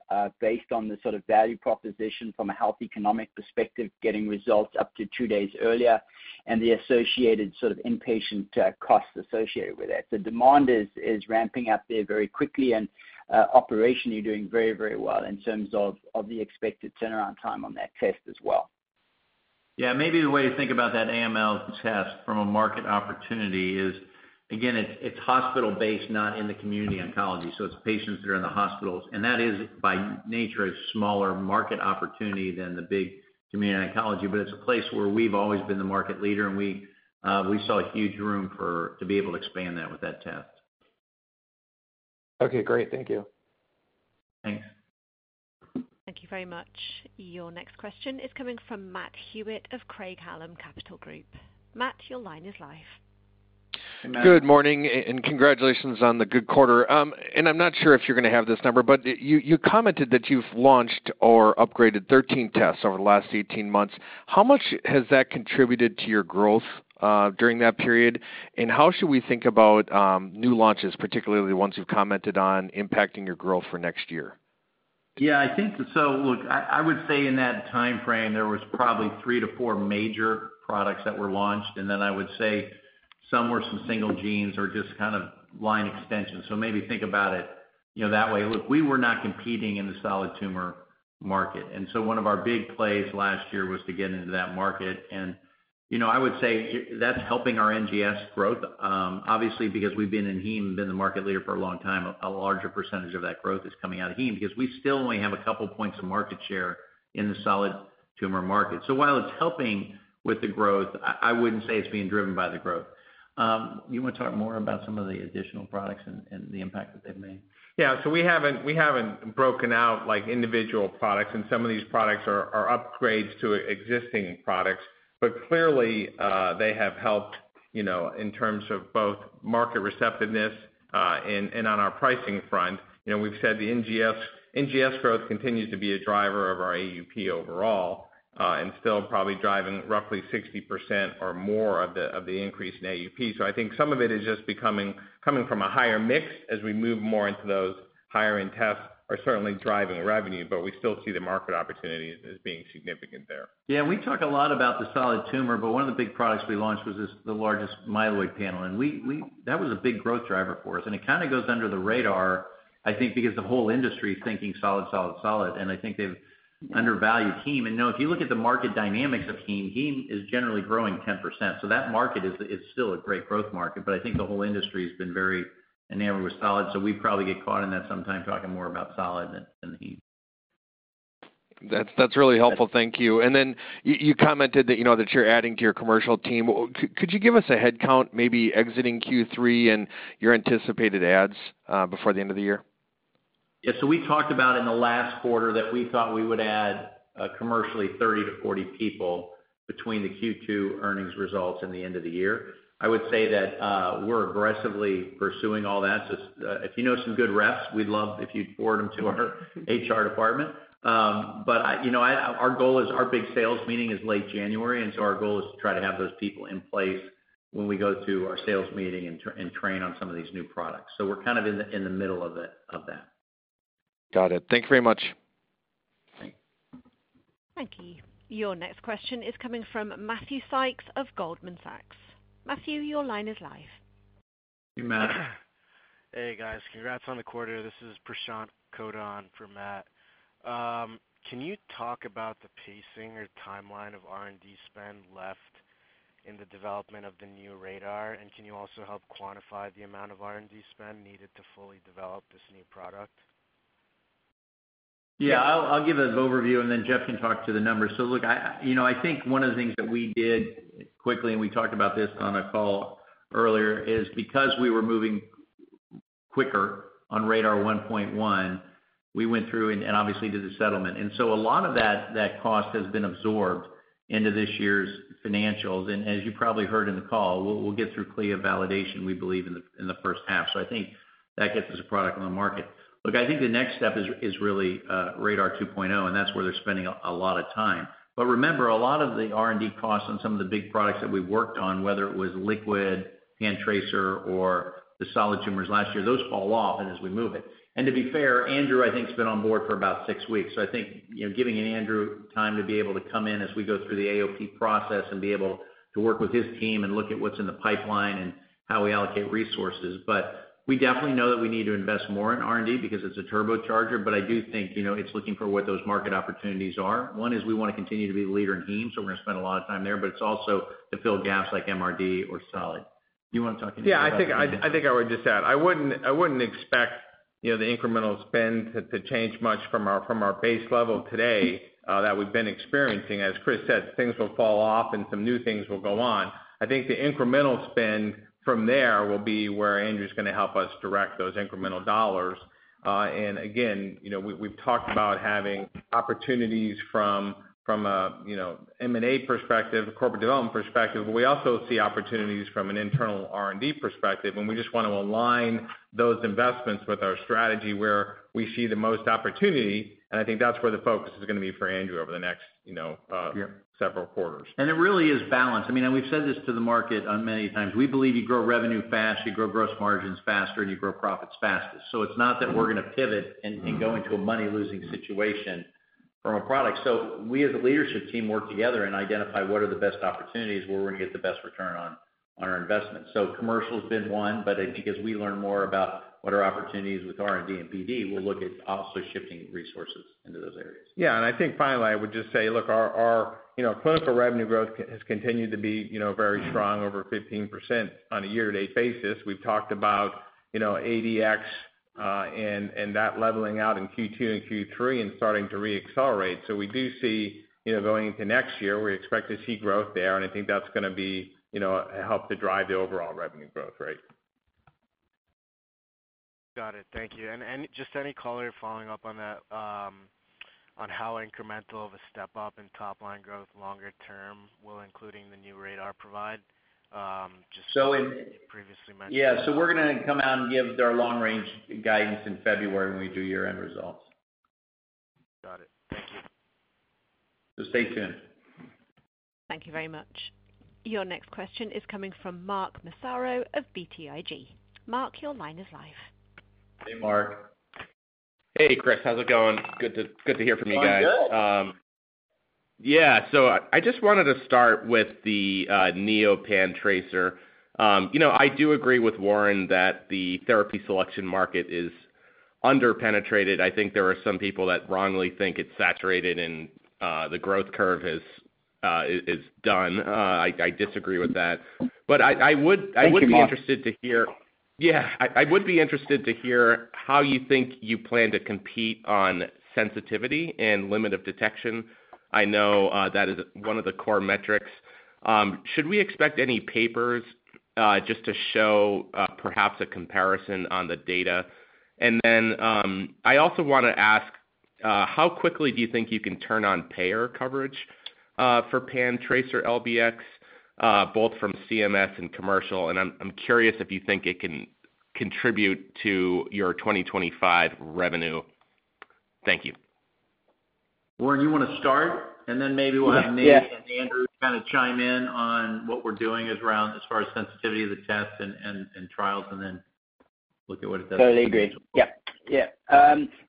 based on the sort of value proposition from a health economic perspective, getting results up to two days earlier and the associated sort of inpatient costs associated with that. So demand is ramping up there very quickly, and operationally doing very, very well in terms of the expected turnaround time on that test as well. Yeah. Maybe the way to think about that AML test from a market opportunity is, again, it's hospital-based, not in the community oncology. It's patients that are in the hospitals. And that is, by nature, a smaller market opportunity than the big community oncology. But it's a place where we've always been the market leader, and we saw huge room to be able to expand that with that test. Okay. Great. Thank you. Thanks. Thank you very much. Your next question is coming from Matt Hewitt of Craig-Hallum Capital Group. Matt, your line is live. Good morning, and congratulations on the good quarter. And I'm not sure if you're going to have this number, but you commented that you've launched or upgraded 13 tests over the last 18 months. How much has that contributed to your growth during that period? And how should we think about new launches, particularly the ones you've commented on impacting your growth for next year? Yeah. So, look, I would say in that time frame, there was probably three to four major products that were launched. And then I would say some were single genes or just kind of line extensions. So maybe think about it that way. Look, we were not competing in the solid tumor market. And so one of our big plays last year was to get into that market. And I would say that's helping our NGS growth, obviously, because we've been in Heme and been the market leader for a long time. A larger percentage of that growth is coming out of Heme because we still only have a couple points of market share in the solid tumor market. So while it's helping with the growth, I wouldn't say it's being driven by the growth. You want to talk more about some of the additional products and the impact that they've made? Yeah. So we haven't broken out individual products, and some of these products are upgrades to existing products. But clearly, they have helped in terms of both market receptiveness and on our pricing front. We've said the NGS growth continues to be a driver of our AUP overall and still probably driving roughly 60% or more of the increase in AUP. So I think some of it is just coming from a higher mix as we move more into those higher-end tests are certainly driving revenue, but we still see the market opportunities as being significant there. Yeah. We talk a lot about the solid tumor, but one of the big products we launched was the largest myeloid panel. And that was a big growth driver for us. And it kind of goes under the radar, I think, because the whole industry is thinking solid, solid, solid. And I think they've undervalued Heme. And if you look at the market dynamics of Heme, Heme is generally growing 10%. So that market is still a great growth market. But I think the whole industry has been very enamored with solid. So we probably get caught in that sometime talking more about solid than Heme. T hat's really helpful. Thank you. And then you commented that you're adding to your commercial team. Could you give us a headcount, maybe exiting Q3 and your anticipated adds before the end of the year? Yeah. So we talked about in the last quarter that we thought we would add commercially 30-40 people between the Q2 earnings results and the end of the year. I would say that we're aggressively pursuing all that. So if you know some good reps, we'd love if you'd forward them to our HR department. But our goal is our big sales meeting is late January. And so our goal is to try to have those people in place when we go to our sales meeting and train on some of these new products. So we're kind of in the middle of that. Got it. Thank you very much. Thank you. Your next question is coming from Matthew Sykes of Goldman Sachs. Matthew, your line is live. Hey, Matt. Hey, guys. Congrats on the quarter. This is Prashant Kota for Matt. Can you talk about the pacing or timeline of R&D spend left in the development of the new RaDaR? And can you also help quantify the amount of R&D spend needed to fully develop this new product? Yeah. I'll give an overview, and then Jeff can talk to the numbers. So look, I think one of the things that we did quickly, and we talked about this on a call earlier, is because we were moving quicker on RaDaR 1.1, we went through and obviously did the settlement. And so a lot of that cost has been absorbed into this year's financials. And as you probably heard in the call, we'll get through CLIA validation, we believe, in the first half. So I think that gets us a product on the market. Look, I think the next step is really RaDaR 2.0, and that's where they're spending a lot of time. But remember, a lot of the R&D costs on some of the big products that we've worked on, whether it was Liquid, PanTracer, or the solid tumors last year, those fall off as we move it. And to be fair, Andrew, I think has been on board for about six weeks. So I think giving Andrew time to be able to come in as we go through the AOP process and be able to work with his team and look at what's in the pipeline and how we allocate resources. But we definitely know that we need to invest more in R&D because it's a turbocharger. But I do think it's looking for what those market opportunities are. One is we want to continue to be the leader in Heme, so we're going to spend a lot of time there. But it's also to fill gaps like MRD or solid. You want to talk anything else? Yeah. I think I would just add I wouldn't expect the incremental spend to change much from our base level today that we've been experiencing. As Chris said, things will fall off, and some new things will go on. I think the incremental spend from there will be where Andrew's going to help us direct those incremental dollars. And again, we've talked about having opportunities from an M&A perspective, a corporate development perspective. But we also see opportunities from an internal R&D perspective. And we just want to align those investments with our strategy where we see the most opportunity. And I think that's where the focus is going to be for Andrew over the next several quarters. And it really is balanced. I mean, and we've said this to the market many times. We believe you grow revenue fast, you grow gross margins faster, and you grow profits fastest. So it's not that we're going to pivot and go into a money-losing situation from a product. So we, as a leadership team, work together and identify what are the best opportunities, where we're going to get the best return on our investment. So commercial has been one. But I think as we learn more about what our opportunities with R&D and BD, we'll look at also shifting resources into those areas. Yeah. And I think finally, I would just say, look, our clinical revenue growth has continued to be very strong, over 15% on a year-to-date basis. We've talked about ADX and that leveling out in Q2 and Q3 and starting to re-accelerate. So we do see going into next year, we expect to see growth there. And I think that's going to help to drive the overall revenue growth rate. Got it. Thank you. And just any color following up on that, on how incremental of a step-up in top-line growth longer term will including the new RaDaR provide? Yeah. So we're going to come out and give their long-range guidance in February when we do year-end results. Got it. Thank you. So stay tuned. Thank you very much. Your next question is coming from Mark Massaro of BTIG. Mark, your line is live. Hey, Mark. Hey, Chris. How's it going? Good to hear from you guys. I'm good. Yeah. So I just wanted to start with the NeoPanTracer. I do agree with Warren that the therapy selection market is under-penetrated. I think there are some people that wrongly think it's saturated and the growth curve is done. I disagree with that. But I would be interested to hear. Thank you, Mark. Yeah. I would be interested to hear how you think you plan to compete on sensitivity and limit of detection. I know that is one of the core metrics. Should we expect any papers just to show perhaps a comparison on the data? And then I also want to ask, how quickly do you think you can turn on payer coverage for PanTracer LBx, both from CMS and commercial? And I'm curious if you think it can contribute to your 2025 revenue. Thank you. Warren, you want to start? And then maybe we'll have Nate and Andrew kind of chime in on what we're doing as far as sensitivity of the test and trials and then look at what it does. Totally agree. Yeah. Yeah.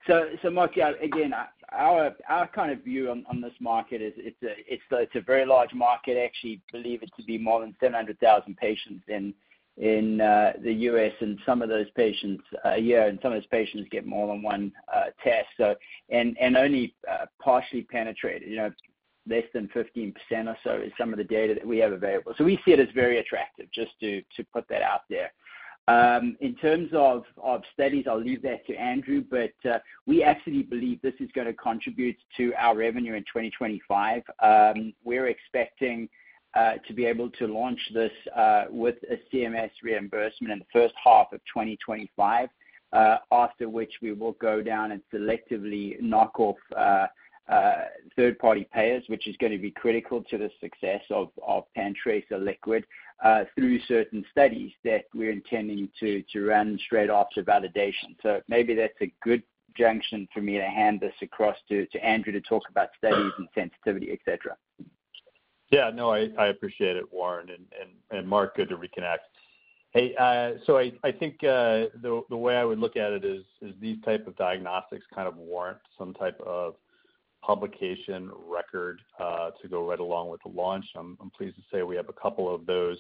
So Mark, yeah, again, our kind of view on this market is it's a very large market. I actually believe it to be more than 700,000 patients in the U.S., and some of those patients a year, and some of those patients get more than one test, and only partially penetrated, less than 15% or so is some of the data that we have available. So we see it as very attractive just to put that out there. In terms of studies, I'll leave that to Andrew. But we actually believe this is going to contribute to our revenue in 2025. We're expecting to be able to launch this with a CMS reimbursement in the first half of 2025, after which we will go down and selectively knock off third-party payers, which is going to be critical to the success of PanTracer Liquid through certain studies that we're intending to run straight after validation. So maybe that's a good juncture for me to hand this across to Andrew to talk about studies and sensitivity, etc. Yeah. No, I appreciate it, Warren. And Mark, good to reconnect. Hey, so I think the way I would look at it is these types of diagnostics kind of warrant some type of publication record to go right along with the launch. I'm pleased to say we have a couple of those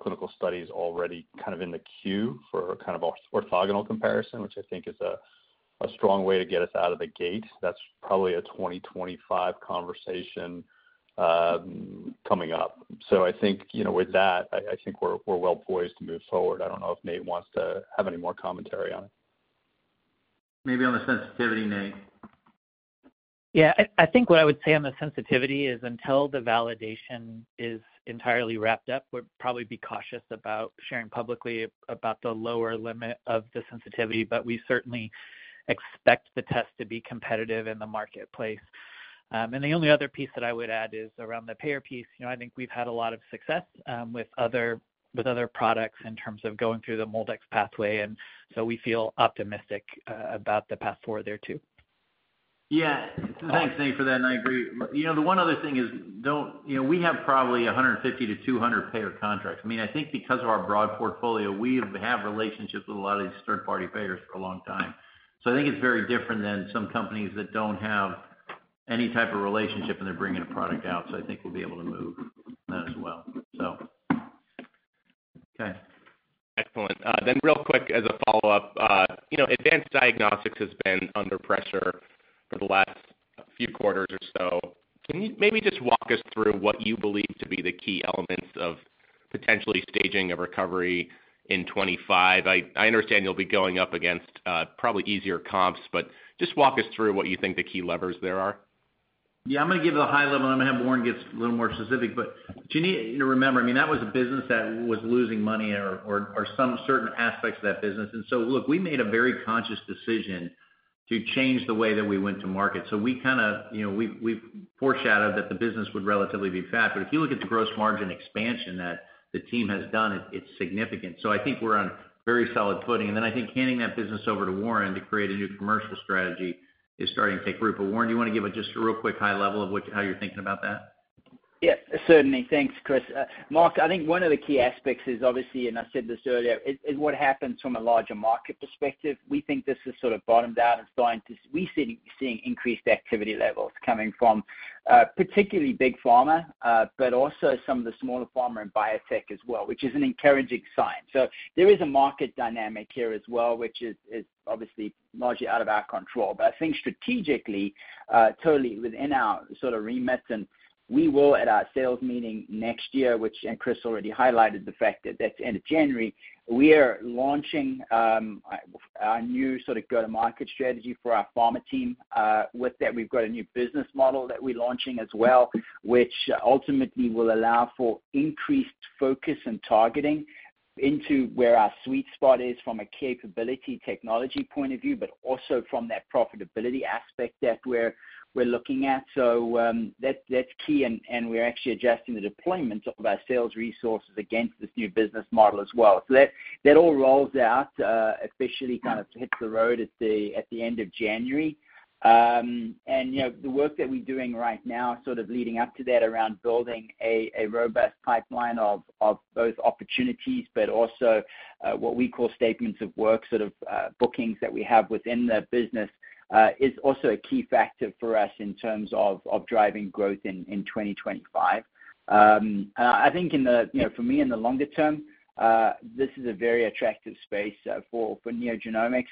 clinical studies already kind of in the queue for kind of orthogonal comparison, which I think is a strong way to get us out of the gate. That's probably a 2025 conversation coming up. So I think with that, I think we're well poised to move forward. I don't know if Nate wants to have any more commentary on it. Maybe on the sensitivity, Nate. Yeah. I think what I would say on the sensitivity is until the validation is entirely wrapped up, we'll probably be cautious about sharing publicly about the lower limit of the sensitivity, but we certainly expect the test to be competitive in the marketplace. And the only other piece that I would add is around the payer piece. I think we've had a lot of success with other products in terms of going through the MolDX pathway. And so we feel optimistic about the path forward there too. Yeah. Thanks, Nate, for that, and I agree. The one other thing is we have probably 150-200 payer contracts. I mean, I think because of our broad portfolio, we have relationships with a lot of these third-party payers for a long time. So I think it's very different than some companies that don't have any type of relationship, and they're bringing a product out. So I think we'll be able to move that as well. So. Okay. Excellent. Then real quick as a follow-up, Advanced Diagnostics has been under pressure for the last few quarters or so. Can you maybe just walk us through what you believe to be the key elements of potentially staging a recovery in 2025? I understand you'll be going up against probably easier comps. But just walk us through what you think the key levers there are. Yeah. I'm going to give the high level. And I'm going to have Warren get a little more specific. But you need to remember, I mean, that was a business that was losing money or some certain aspects of that business. Look, we made a very conscious decision to change the way that we went to market. We kind of foreshadowed that the business would relatively be fat. But if you look at the gross margin expansion that the team has done, it's significant. I think we're on very solid footing. Then I think handing that business over to Warren to create a new commercial strategy is starting to take root. Warren, do you want to give just a real quick high level of how you're thinking about that? Yeah. Certainly. Thanks, Chris. Mark, I think one of the key aspects is obviously, and I said this earlier, is what happens from a larger market perspective. We think this has sort of bottomed out and starting to, we're seeing increased activity levels coming from particularly big pharma, but also some of the smaller pharma and biotech as well, which is an encouraging sign. So there is a market dynamic here as well, which is obviously largely out of our control. But I think strategically, totally within our sort of remit, and we will at our sales meeting next year, which Chris already highlighted the fact that that's end of January, we are launching our new sort of go-to-market strategy for our pharma team. With that, we've got a new business model that we're launching as well, which ultimately will allow for increased focus and targeting into where our sweet spot is from a capability technology point of view, but also from that profitability aspect that we're looking at. So that's key. And we're actually adjusting the deployment of our sales resources against this new business model as well. So that all rolls out officially, kind of hits the road at the end of January. And the work that we're doing right now, sort of leading up to that, around building a robust pipeline of both opportunities, but also what we call statements of work, sort of bookings that we have within the business, is also a key factor for us in terms of driving growth in 2025. And I think for me, in the longer term, this is a very attractive space for NeoGenomics.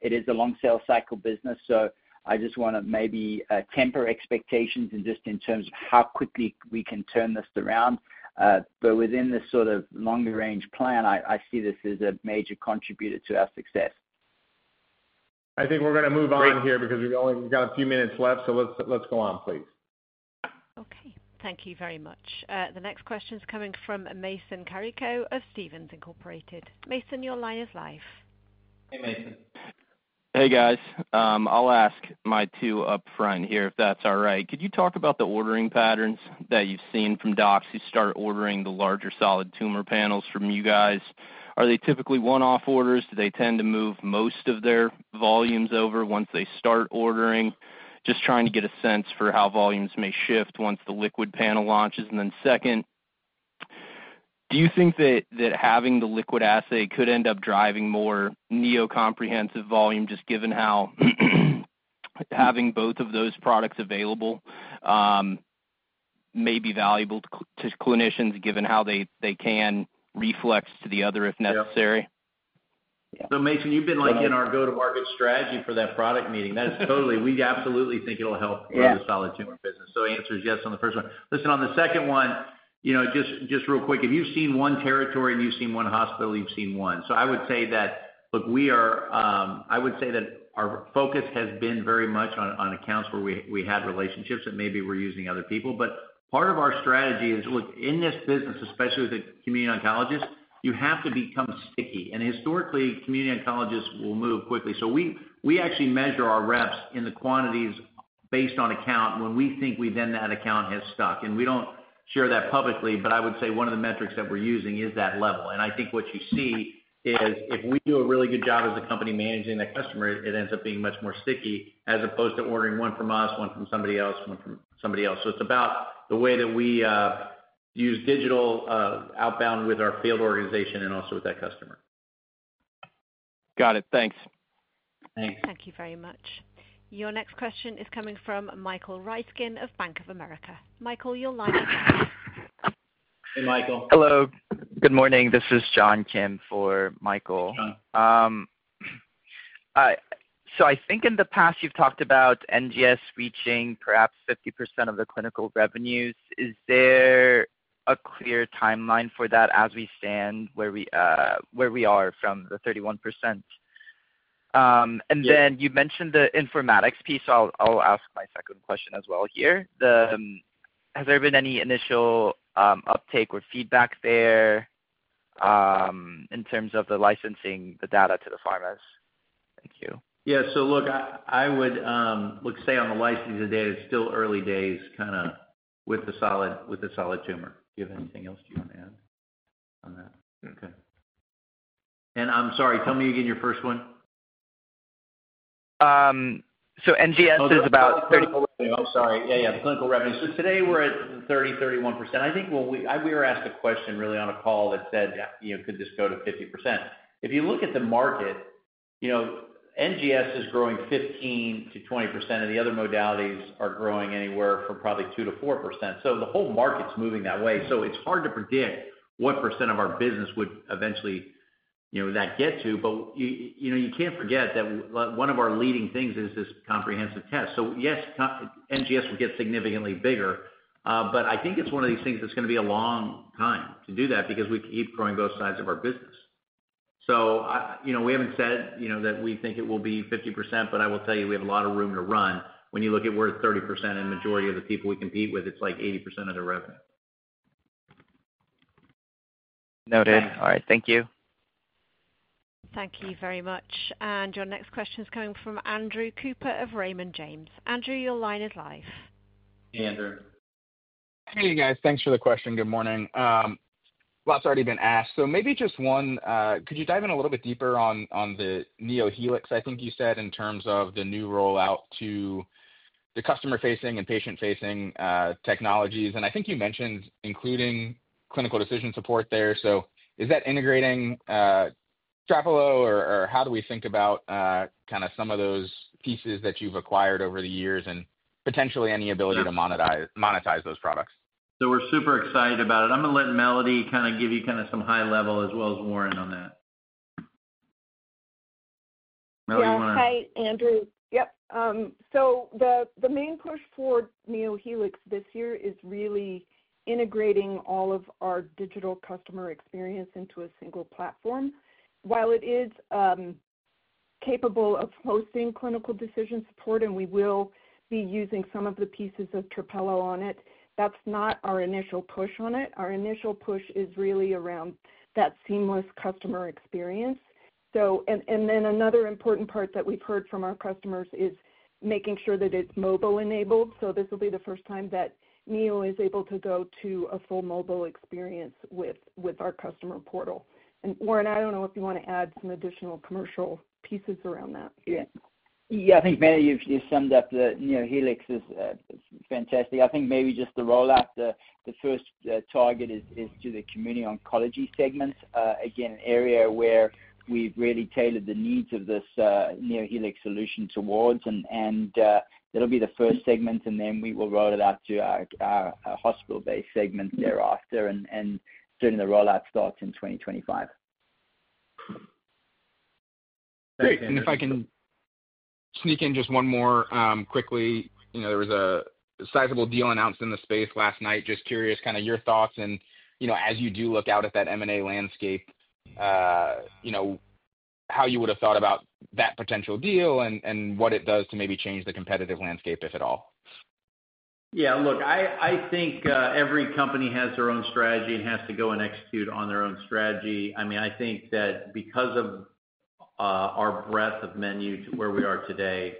It is a long sales cycle business. So I just want to maybe temper expectations just in terms of how quickly we can turn this around. But within this sort of longer-range plan, I see this as a major contributor to our success. I think we're going to move on here because we've only got a few minutes left. So let's go on, please. Okay. Thank you very much. The next question is coming from Mason Carico of Stephens Inc. Mason, your line is live. Hey, Mason. Hey, guys. I'll ask my two up front here if that's all right. Could you talk about the ordering patterns that you've seen from docs who start ordering the larger solid tumor panels from you guys? Are they typically one-off orders? Do they tend to move most of their volumes over once they start ordering? Just trying to get a sense for how volumes may shift once the Liquid panel launches. And then second, do you think that having the liquid assay could end up driving more Neo Comprehensive volume, just given how having both of those products available may be valuable to clinicians, given how they can reflex to the other if necessary? Yeah. So Mason, you've been in our go-to-market strategy for that product meeting. We absolutely think it'll help the solid tumor business. So answer is yes on the first one. Listen, on the second one, just real quick, if you've seen one territory and you've seen one hospital, you've seen one. So I would say that, look, our focus has been very much on accounts where we had relationships that maybe were using other people. But part of our strategy is, look, in this business, especially with the community oncologists, you have to become sticky. And historically, community oncologists will move quickly. So we actually measure our reps in the quantities based on account when we think then that account has stuck. And we don't share that publicly. But I would say one of the metrics that we're using is that level. And I think what you see is if we do a really good job as a company managing that customer, it ends up being much more sticky as opposed to ordering one from us, one from somebody else, one from somebody else. So it's about the way that we use digital outbound with our field organization and also with that customer. Got it. Thanks. Thanks. Thank you very much. Your next question is coming from Michael Ryskin of Bank of America. Michael, your line is live. Hey, Michael. Hello. Good morning. This is John Kim for Michael. So I think in the past, you've talked about NGS reaching perhaps 50% of the clinical revenues. Is there a clear timeline for that as we stand where we are from the 31%? And then you mentioned the informatics piece. So I'll ask my second question as well here. Has there been any initial uptake or feedback there in terms of the licensing the data to the pharmas? Thank you. Yeah. So look, I would say on the licensing data, it's still early days kind of with the solid tumor. Do you have anything else you want to add on that? Okay. And I'm sorry. Tell me again your first one. So NGS is about 30%. I'm sorry. Yeah, yeah. The clinical revenue. So today, we're at 30%-31%. I think we were asked a question really on a call that said, "Could this go to 50%?" If you look at the market, NGS is growing 15%-20%, and the other modalities are growing anywhere from probably 2%-4%. So the whole market's moving that way. So it's hard to predict what percent of our business would eventually that get to. But you can't forget that one of our leading things is this comprehensive test. So yes, NGS will get significantly bigger. But I think it's one of these things that's going to be a long time to do that because we keep growing both sides of our business. So we haven't said that we think it will be 50%. But I will tell you, we have a lot of room to run. When you look at we're at 30%, and the majority of the people we compete with, it's like 80% of their revenue. Noted. All right. Thank you. Thank you very much. And your next question is coming from Andrew Cooper of Raymond James. Andrew, your line is live. Hey, Andrew. Hey, guys. Thanks for the question. Good morning. Lots already been asked. So maybe just one, could you dive in a little bit deeper on the NeoHelix, I think you said, in terms of the new rollout to the customer-facing and patient-facing technologies? And I think you mentioned including clinical decision support there. So is that integrating Trapelo, or how do we think about kind of some of those pieces that you've acquired over the years and potentially any ability to monetize those products? So we're super excited about it. I'm going to let Melody kind of give you kind of some high level as well as Warren on that. Melody, you want to? Yeah. Hi, Andrew. Yep. So the main push for NeoHelix this year is really integrating all of our digital customer experience into a single platform. While it is capable of hosting clinical decision support, and we will be using some of the pieces of Trapelo on it, that's not our initial push on it. Our initial push is really around that seamless customer experience. And then another important part that we've heard from our customers is making sure that it's mobile-enabled. So this will be the first time that Neo is able to go to a full mobile experience with our customer portal. And Warren, I don't know if you want to add some additional commercial pieces around that. Yeah. I think Melody just summed up that NeoHelix is fantastic. I think maybe just the rollout, the first target is to the community oncology segment, again, an area where we've really tailored the needs of this NeoHelix solution towards. And that'll be the first segment. And then we will roll it out to our hospital-based segment thereafter. And certainly, the rollout starts in 2025. Great. And if I can sneak in just one more quickly, there was a sizable deal announced in the space last night. Just curious kind of your thoughts and as you do look out at that M&A landscape, how you would have thought about that potential deal and what it does to maybe change the competitive landscape, if at all. Yeah. Look, I think every company has their own strategy and has to go and execute on their own strategy. I mean, I think that because of our breadth of menu to where we are today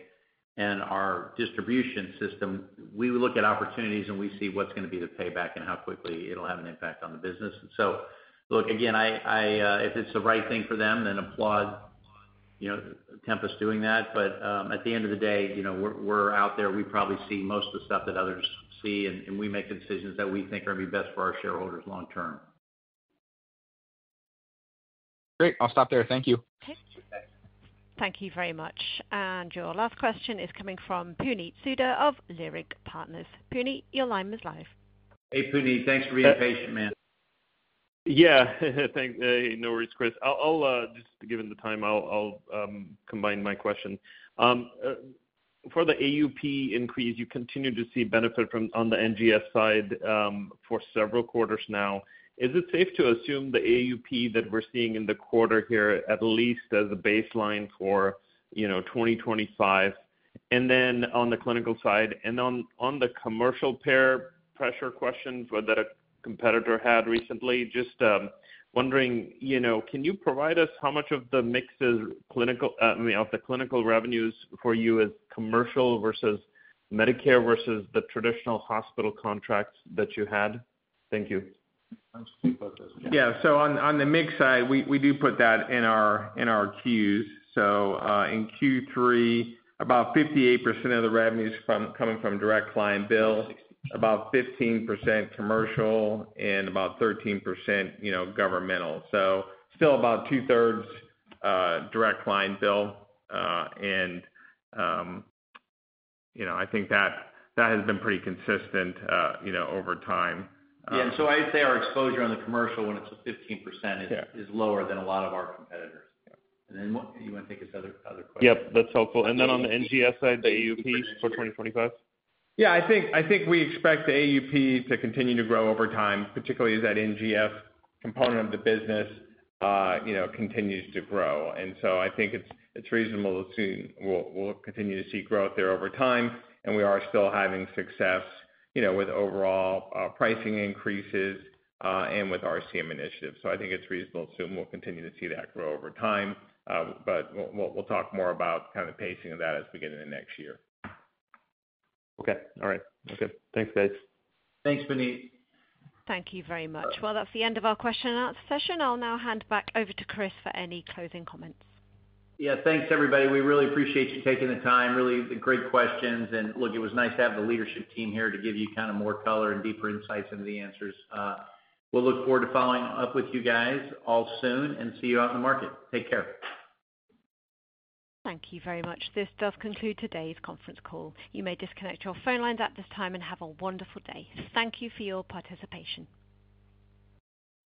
and our distribution system, we look at opportunities, and we see what's going to be the payback and how quickly it'll have an impact on the business. And so look, again, if it's the right thing for them, then applaud Tempus doing that. But at the end of the day, we're out there. We probably see most of the stuff that others see, and we make decisions that we think are going to be best for our shareholders long term. Great. I'll stop there. Thank you. Okay. Thank you very much. And your last question is coming from Puneet Souda of Leerink Partners. Puneet, your line was live. Hey, Puneet.Thanks for being patient, man. Yeah. No worries, Chris. Just given the time, I'll combine my question. For the AUP increase, you continue to see benefit on the NGS side for several quarters now. Is it safe to assume the AUP that we're seeing in the quarter here, at least as a baseline for 2025, and then on the clinical side? And on the commercial payer pressure question that a competitor had recently, just wondering, can you provide us how much of the mix is clinical I mean, of the clinical revenues for you as commercial versus Medicare versus the traditional hospital contracts that you had? Thank you. Yeah. So on the mix side, we do put that in our Q's. So in Q3, about 58% of the revenues coming from direct client bill, about 15% commercial, and about 13% governmental. So still about two-thirds direct client bill. And I think that has been pretty consistent over time. Yeah. And so I'd say our exposure on the commercial, when it's 15%, is lower than a lot of our competitors. And then you want to take this other question? Yep. That's helpful. And then on the NGS side, the AUP for 2025? Yeah. I think we expect the AUP to continue to grow over time, particularly as that NGS component of the business continues to grow. And so I think it's reasonable to assume we'll continue to see growth there over time. And we are still having success with overall pricing increases and with RCM initiatives. So I think it's reasonable to assume we'll continue to see that grow over time. But we'll talk more about kind of pacing of that as we get into next year. Okay. All right. Okay. Thanks, guys. Thanks, Puneet. Thank you very much. Well, that's the end of our question and answer session. I'll now hand back over to Chris for any closing comments. Yeah. Thanks, everybody. We really appreciate you taking the time. Really, the great questions. And look, it was nice to have the leadership team here to give you kind of more color and deeper insights into the answers. We'll look forward to following up with you guys all soon and see you out in the market. Take care. Thank you very much. This does conclude today's conference call. You may disconnect your phone lines at this time and have a wonderful day. Thank you for your participation.